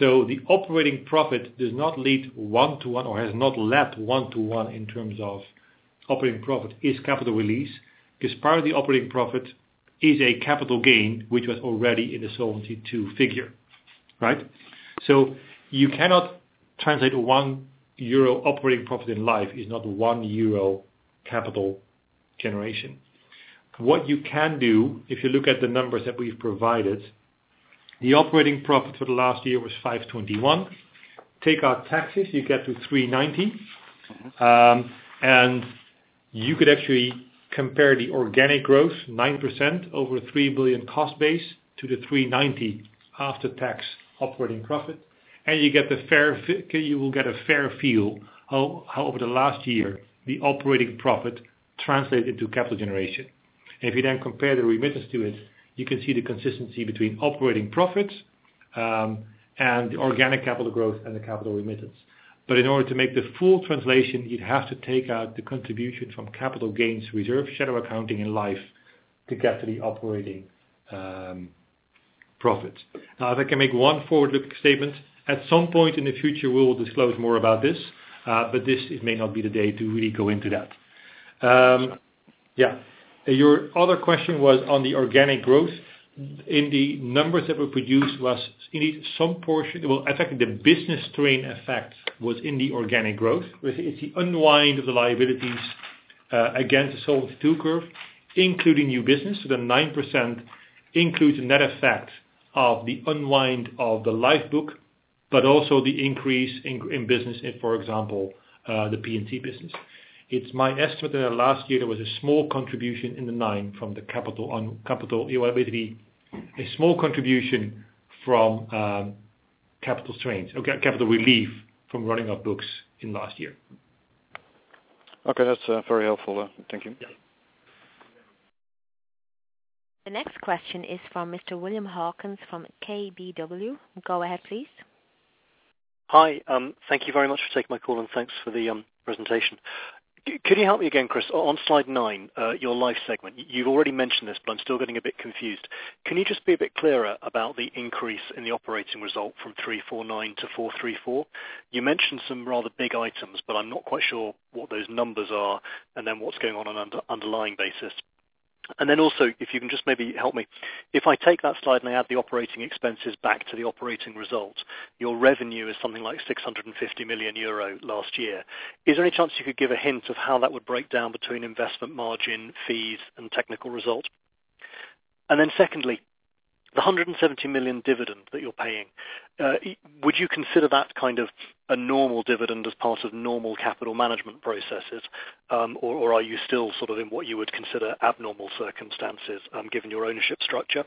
The operating profit does not lead one-to-one or has not led one-to-one in terms of operating profit is capital release, because part of the operating profit is a capital gain, which was already in the Solvency II figure. You cannot translate 1 euro operating profit in life is not 1 euro capital generation. What you can do, if you look at the numbers that we've provided, the operating profit for the last year was 521. Take out taxes, you get to 390. You could actually compare the organic growth, 9% over 3 billion capital base to the 390 after-tax operating profit, you will get a fair feel how over the last year, the operating profit translated to capital generation. If you then compare the remittance to it, you can see the consistency between operating profits and the organic capital growth and the capital remittance. In order to make the full translation, you'd have to take out the contribution from capital gains reserve, shadow accounting in life to get to the operating profits. If I can make one forward-looking statement, at some point in the future, we will disclose more about this, but this may not be the day to really go into that. Your other question was on the organic growth. In fact, the business strain effect was in the organic growth. It's the unwind of the liabilities against the Solvency II curve, including new business. The 9% includes a net effect of the unwind of the lifebook, but also the increase in business in, for example, the P&C business. It's my estimate that last year there was a small contribution in the nine from the capital on capital. It would be a small contribution from capital relief from running off books in last year. Okay, that's very helpful. Thank you. Yeah. The next question is from Mr. William Hawkins from KBW. Go ahead, please. Hi. Thank you very much for taking my call, thanks for the presentation. Could you help me again, Chris, on slide nine, your life segment. You've already mentioned this, but I'm still getting a bit confused. Can you just be a bit clearer about the increase in the operating result from 349 to 434? You mentioned some rather big items, but I'm not quite sure what those numbers are and then what's going on an underlying basis. Also, if you can just maybe help me. If I take that slide and I add the operating expenses back to the operating result, your revenue is something like 650 million euro last year. Is there any chance you could give a hint of how that would break down between investment margin fees and technical result? Secondly, the 170 million dividend that you're paying, would you consider that a normal dividend as part of normal capital management processes? Or are you still sort of in what you would consider abnormal circumstances, given your ownership structure?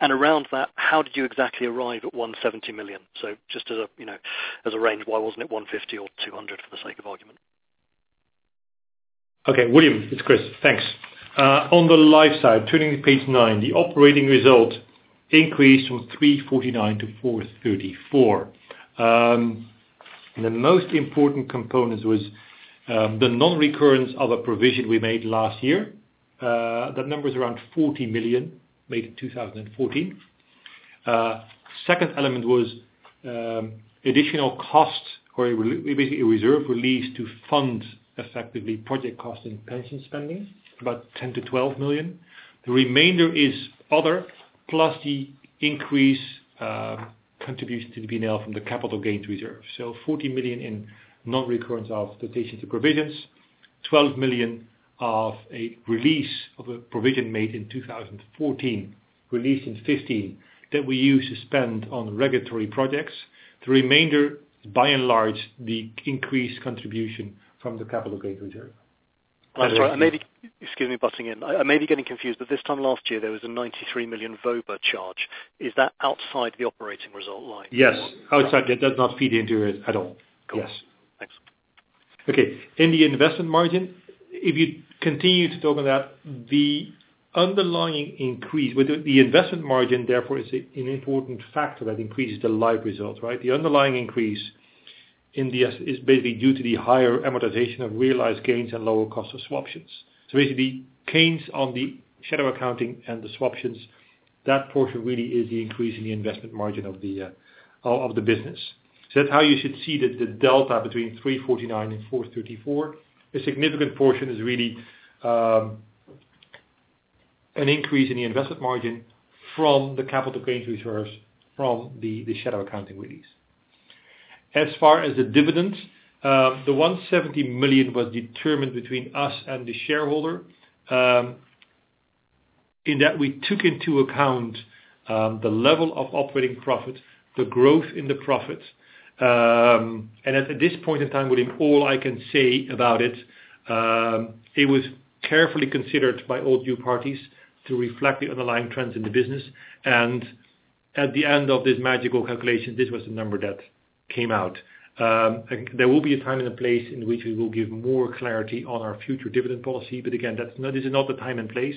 Around that, how did you exactly arrive at 170 million? Just as a range, why wasn't it 150 or 200, for the sake of argument? William, it's Chris. Thanks. On the life side, turning to page 9, the operating result increased from 349 to 434. The most important component was the non-recurrence of a provision we made last year. That number is around 40 million, made in 2014. Second element was additional cost, or basically a reserve release to fund effectively project cost and pension spending, about 10 million-12 million. The remainder is other, plus the increase contribution to the P&L from the capital gains reserve. 40 million in non-recurrence of donations to provisions, 12 million of a release of a provision made in 2014, released in 2015, that we used to spend on regulatory projects. The remainder is by and large the increased contribution from the capital gains reserve. I'm sorry. Excuse me, butting in. I may be getting confused, but this time last year, there was a 93 million VOBA charge. Is that outside the operating result line? Yes. Outside. That does not feed into it at all. Cool. Yes. Thanks. In the investment margin, if you continue to talk on that, the investment margin therefore is an important factor that increases the life results, right? The underlying increase is basically due to the higher amortization of realized gains and lower cost of swaptions. Basically, gains on the shadow accounting and the swaptions, that portion really is the increase in the investment margin of the business. That's how you should see that the delta between 349 and 434. A significant portion is really an increase in the investment margin from the capital gains reserves from the shadow accounting release. As far as the dividend, the 170 million was determined between us and the shareholder, in that we took into account the level of operating profit, the growth in the profit. At this point in time, William, all I can say about it was carefully considered by all due parties to reflect the underlying trends in the business. At the end of this magical calculation, this was the number that came out. There will be a time and a place in which we will give more clarity on our future dividend policy. Again, this is not the time and place.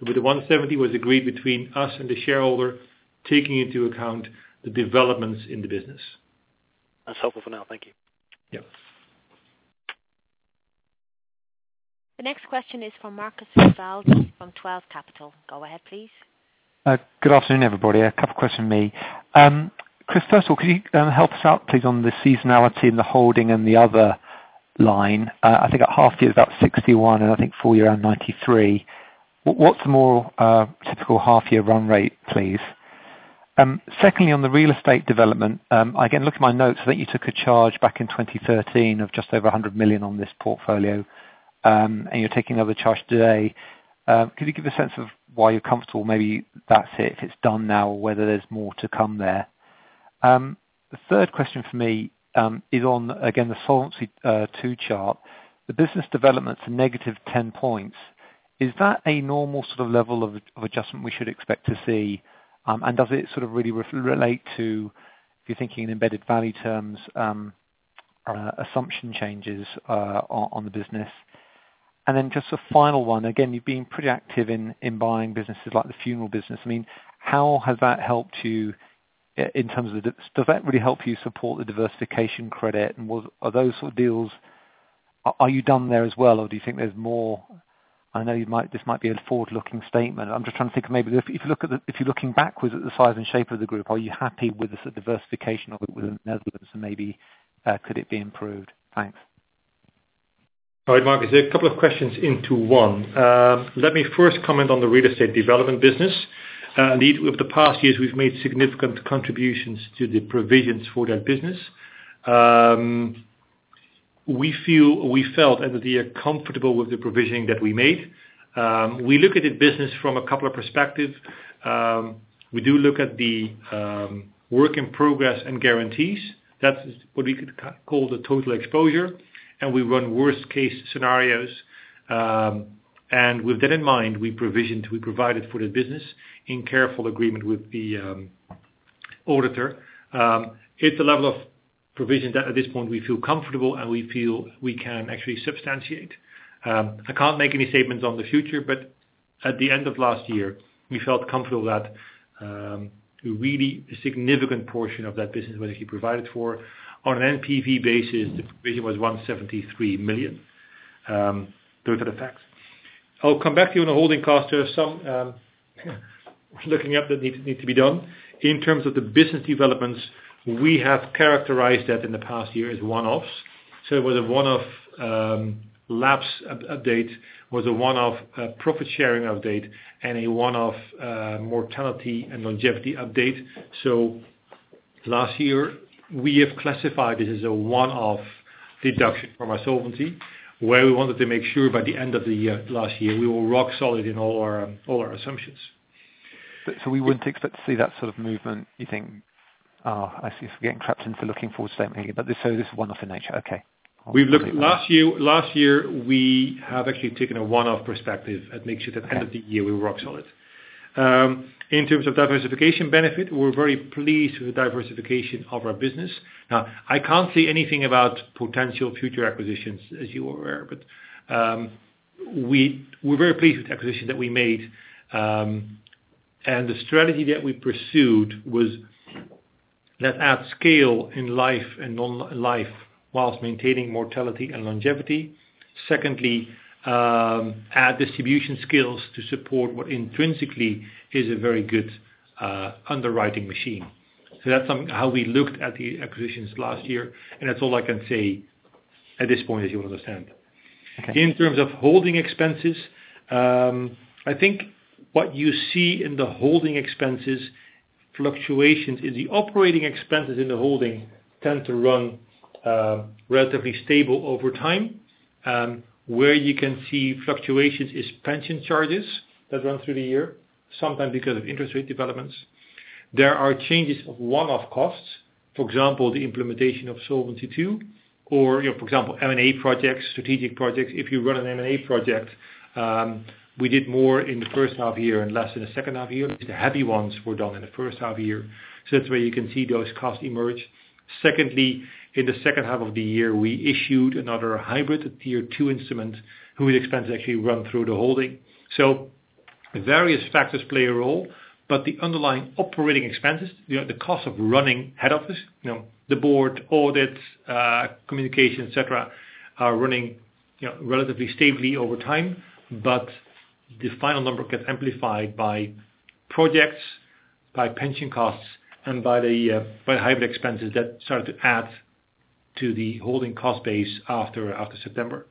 The 170 was agreed between us and the shareholder, taking into account the developments in the business. That's helpful for now. Thank you. Yeah. The next question is from Marcus Poppe from Twelve Capital. Go ahead, please. Good afternoon, everybody. A couple questions from me. Chris, first of all, could you help us out, please, on the seasonality in the holding and the other line? I think at half year it's about 61, and I think full year around 93. What's a more typical half year run rate, please? Secondly, on the real estate development, again, looking at my notes, I think you took a charge back in 2013 of just over 100 million on this portfolio, and you're taking another charge today. Could you give a sense of why you're comfortable, maybe that's it, if it's done now, or whether there's more to come there? The third question for me is on, again, the Solvency II chart. The business development's a negative 10 points. Is that a normal level of adjustment we should expect to see, does it really relate to, if you're thinking in embedded value terms, assumption changes on the business? Then just a final one. Again, you've been pretty active in buying businesses like the funeral business. How has that helped you in terms of Does that really help you support the diversification credit? Are you done there as well or do you think there's more? I know this might be a forward-looking statement. I am just trying to think, if you're looking backwards at the size and shape of the group, are you happy with the diversification of it within Netherlands and maybe could it be improved? Thanks. All right, Marcus. A couple of questions into one. Let me first comment on the real estate development business. Indeed, over the past years, we've made significant contributions to the provisions for that business. We felt at the year comfortable with the provisioning that we made. We look at the business from a couple of perspectives. We do look at the work in progress and guarantees. That's what we could call the total exposure. We run worst case scenarios. With that in mind, we provisioned, we provided for the business in careful agreement with the auditor. It's a level of provision that at this point we feel comfortable and we feel we can actually substantiate. I can't make any statements on the future, but at the end of last year, we felt comfortable that really a significant portion of that business was actually provided for. On an NPV basis, the provision was 173 million. Those are the facts. I'll come back to you on the holding cost. There are some looking up that needs to be done. In terms of the business developments, we have characterized that in the past year as one-offs. It was a one-off lapse update, was a one-off profit-sharing update, a one-off mortality and longevity update. Last year, we have classified it as a one-off deduction from our solvency, where we wanted to make sure by the end of last year, we were rock solid in all our assumptions. We wouldn't expect to see that sort of movement, you think. Oh, I see. It's getting trapped into looking forward statement. This is one-off in nature. Okay. Last year, we have actually taken a one-off perspective and make sure that end of the year we were rock solid. In terms of diversification benefit, we are very pleased with the diversification of our business. I can't say anything about potential future acquisitions, as you are aware, but we are very pleased with the acquisitions that we made. The strategy that we pursued was let's add scale in life and non-life whilst maintaining mortality and longevity. Secondly, add distribution skills to support what intrinsically is a very good underwriting machine. That's how we looked at the acquisitions last year, and that's all I can say at this point, as you understand. Okay. In terms of holding expenses, what you see in the holding expenses fluctuations is the operating expenses in the holding tend to run relatively stable over time. Where you can see fluctuations is pension charges that run through the year, sometimes because of interest rate developments. There are changes of one-off costs. For example, the implementation of Solvency II, or for example, M&A projects, strategic projects. If you run an M&A project, we did more in the first half year and less in the second half year. The heavy ones were done in the first half year. That's where you can see those costs emerge. Secondly, in the second half of the year, we issued another hybrid Tier 2 instrument whose expenses actually run through the holding. Various factors play a role, but the underlying operating expenses, the cost of running head office, the board, audits, communication, et cetera, are running relatively stably over time. The final number gets amplified by projects, by pension costs, and by the hybrid expenses that started to add to the holding cost base after September.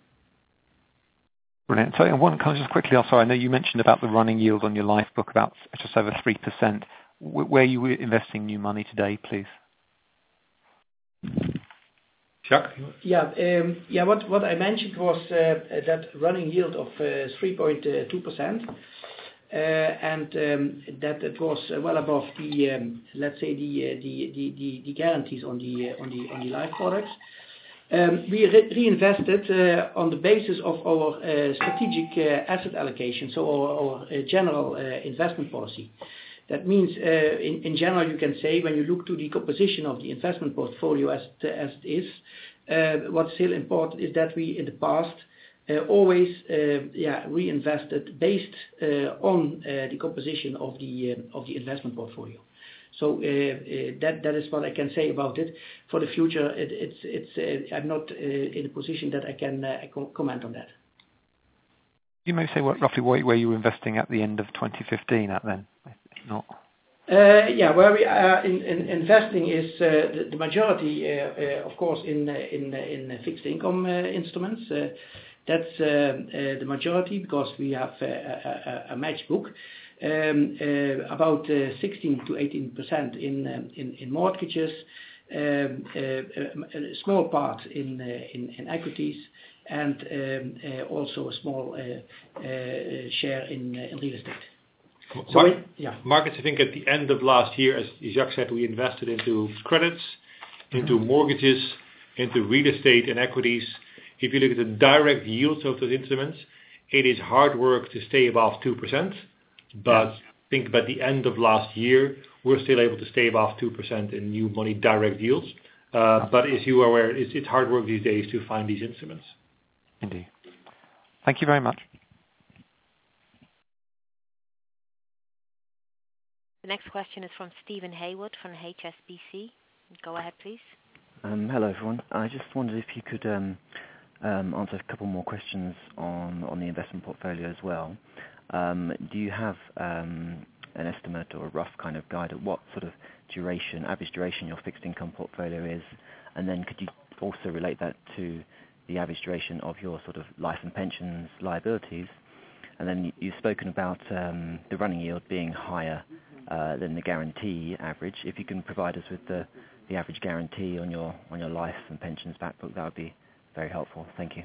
Brilliant. Can I just quickly, I know you mentioned about the running yield on your life book, about just over 3%. Where are you investing new money today, please? Jack? What I mentioned was that running yield of 3.2%, and that it was well above the guarantees on the life products. We reinvested on the basis of our strategic asset allocation, so our general investment policy. That means, in general, you can say when you look to the composition of the investment portfolio as it is, what's still important is that we, in the past, always reinvested based on the composition of the investment portfolio. That is what I can say about it. For the future, I'm not in a position that I can comment on that. You may say roughly where you were investing at the end of 2015 at then? If not- Where we are investing is the majority, of course, in the fixed income instruments. That's the majority because we have a match book. About 16%-18% in mortgages, a small part in equities, and also a small share in real estate. Marcus, I think at the end of last year, as Jack said, we invested into credits, into mortgages, into real estate and equities. If you look at the direct yields of those instruments, it is hard work to stay above 2%. I think by the end of last year, we're still able to stay above 2% in new money direct yields. As you are aware, it's hard work these days to find these instruments. Indeed. Thank you very much. The next question is from Steven Haywood from HSBC. Go ahead, please. Hello, everyone. I just wondered if you could answer a couple more questions on the investment portfolio as well. Do you have an estimate or a rough guide of what sort of average duration your fixed income portfolio is? Could you also relate that to the average duration of your life and pensions liabilities? You've spoken about the running yield being higher than the guarantee average. If you can provide us with the average guarantee on your life and pensions back book, that would be very helpful. Thank you.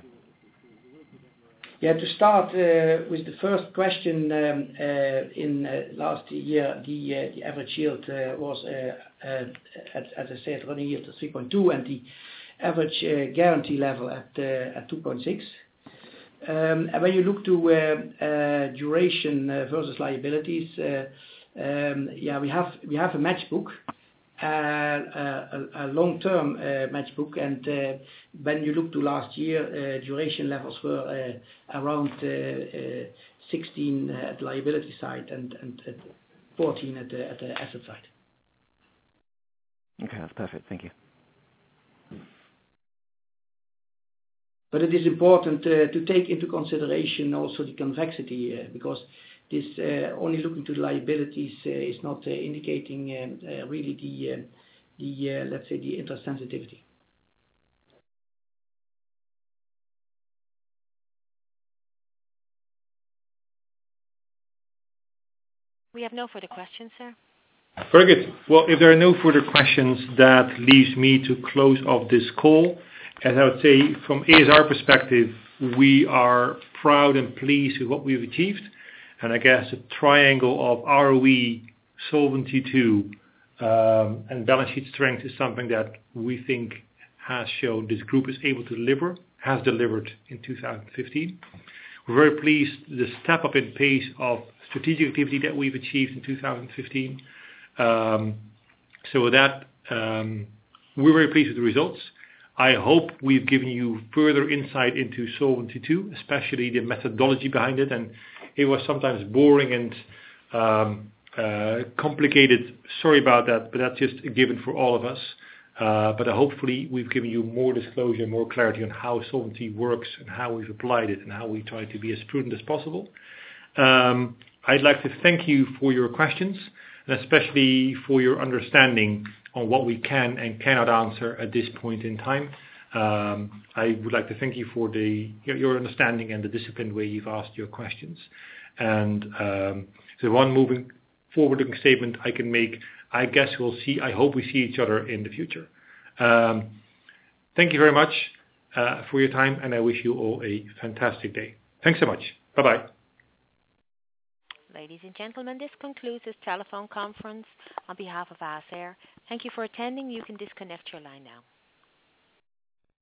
Yeah. To start with the first question, in last year, the average yield was, as I said, running yield to 3.2%, and the average guarantee level at 2.6%. When you look to duration versus liabilities, we have a match book, a long-term match book. When you look to last year, duration levels were around 16 at liability side and 14 at the asset side. Okay, that's perfect. Thank you. It is important to take into consideration also the convexity, because only looking to liabilities is not indicating really the interest sensitivity. We have no further questions, sir. Very good. Well, if there are no further questions, that leaves me to close off this call. As I would say, from ASR perspective, we are proud and pleased with what we've achieved. I guess the triangle of ROE, Solvency II, and balance sheet strength is something that we think has shown this group is able to deliver, has delivered in 2015. We're very pleased the step-up in pace of strategic activity that we've achieved in 2015. With that, we're very pleased with the results. I hope we've given you further insight into Solvency II, especially the methodology behind it. It was sometimes boring and complicated. Sorry about that, but that's just a given for all of us. Hopefully, we've given you more disclosure, more clarity on how solvency works and how we've applied it, and how we try to be as prudent as possible. I'd like to thank you for your questions, and especially for your understanding on what we can and cannot answer at this point in time. I would like to thank you for your understanding and the disciplined way you've asked your questions. The one forward-looking statement I can make, I hope we see each other in the future. Thank you very much for your time, and I wish you all a fantastic day. Thanks so much. Bye-bye. Ladies and gentlemen, this concludes this telephone conference. On behalf of ASR, thank you for attending. You can disconnect your line now.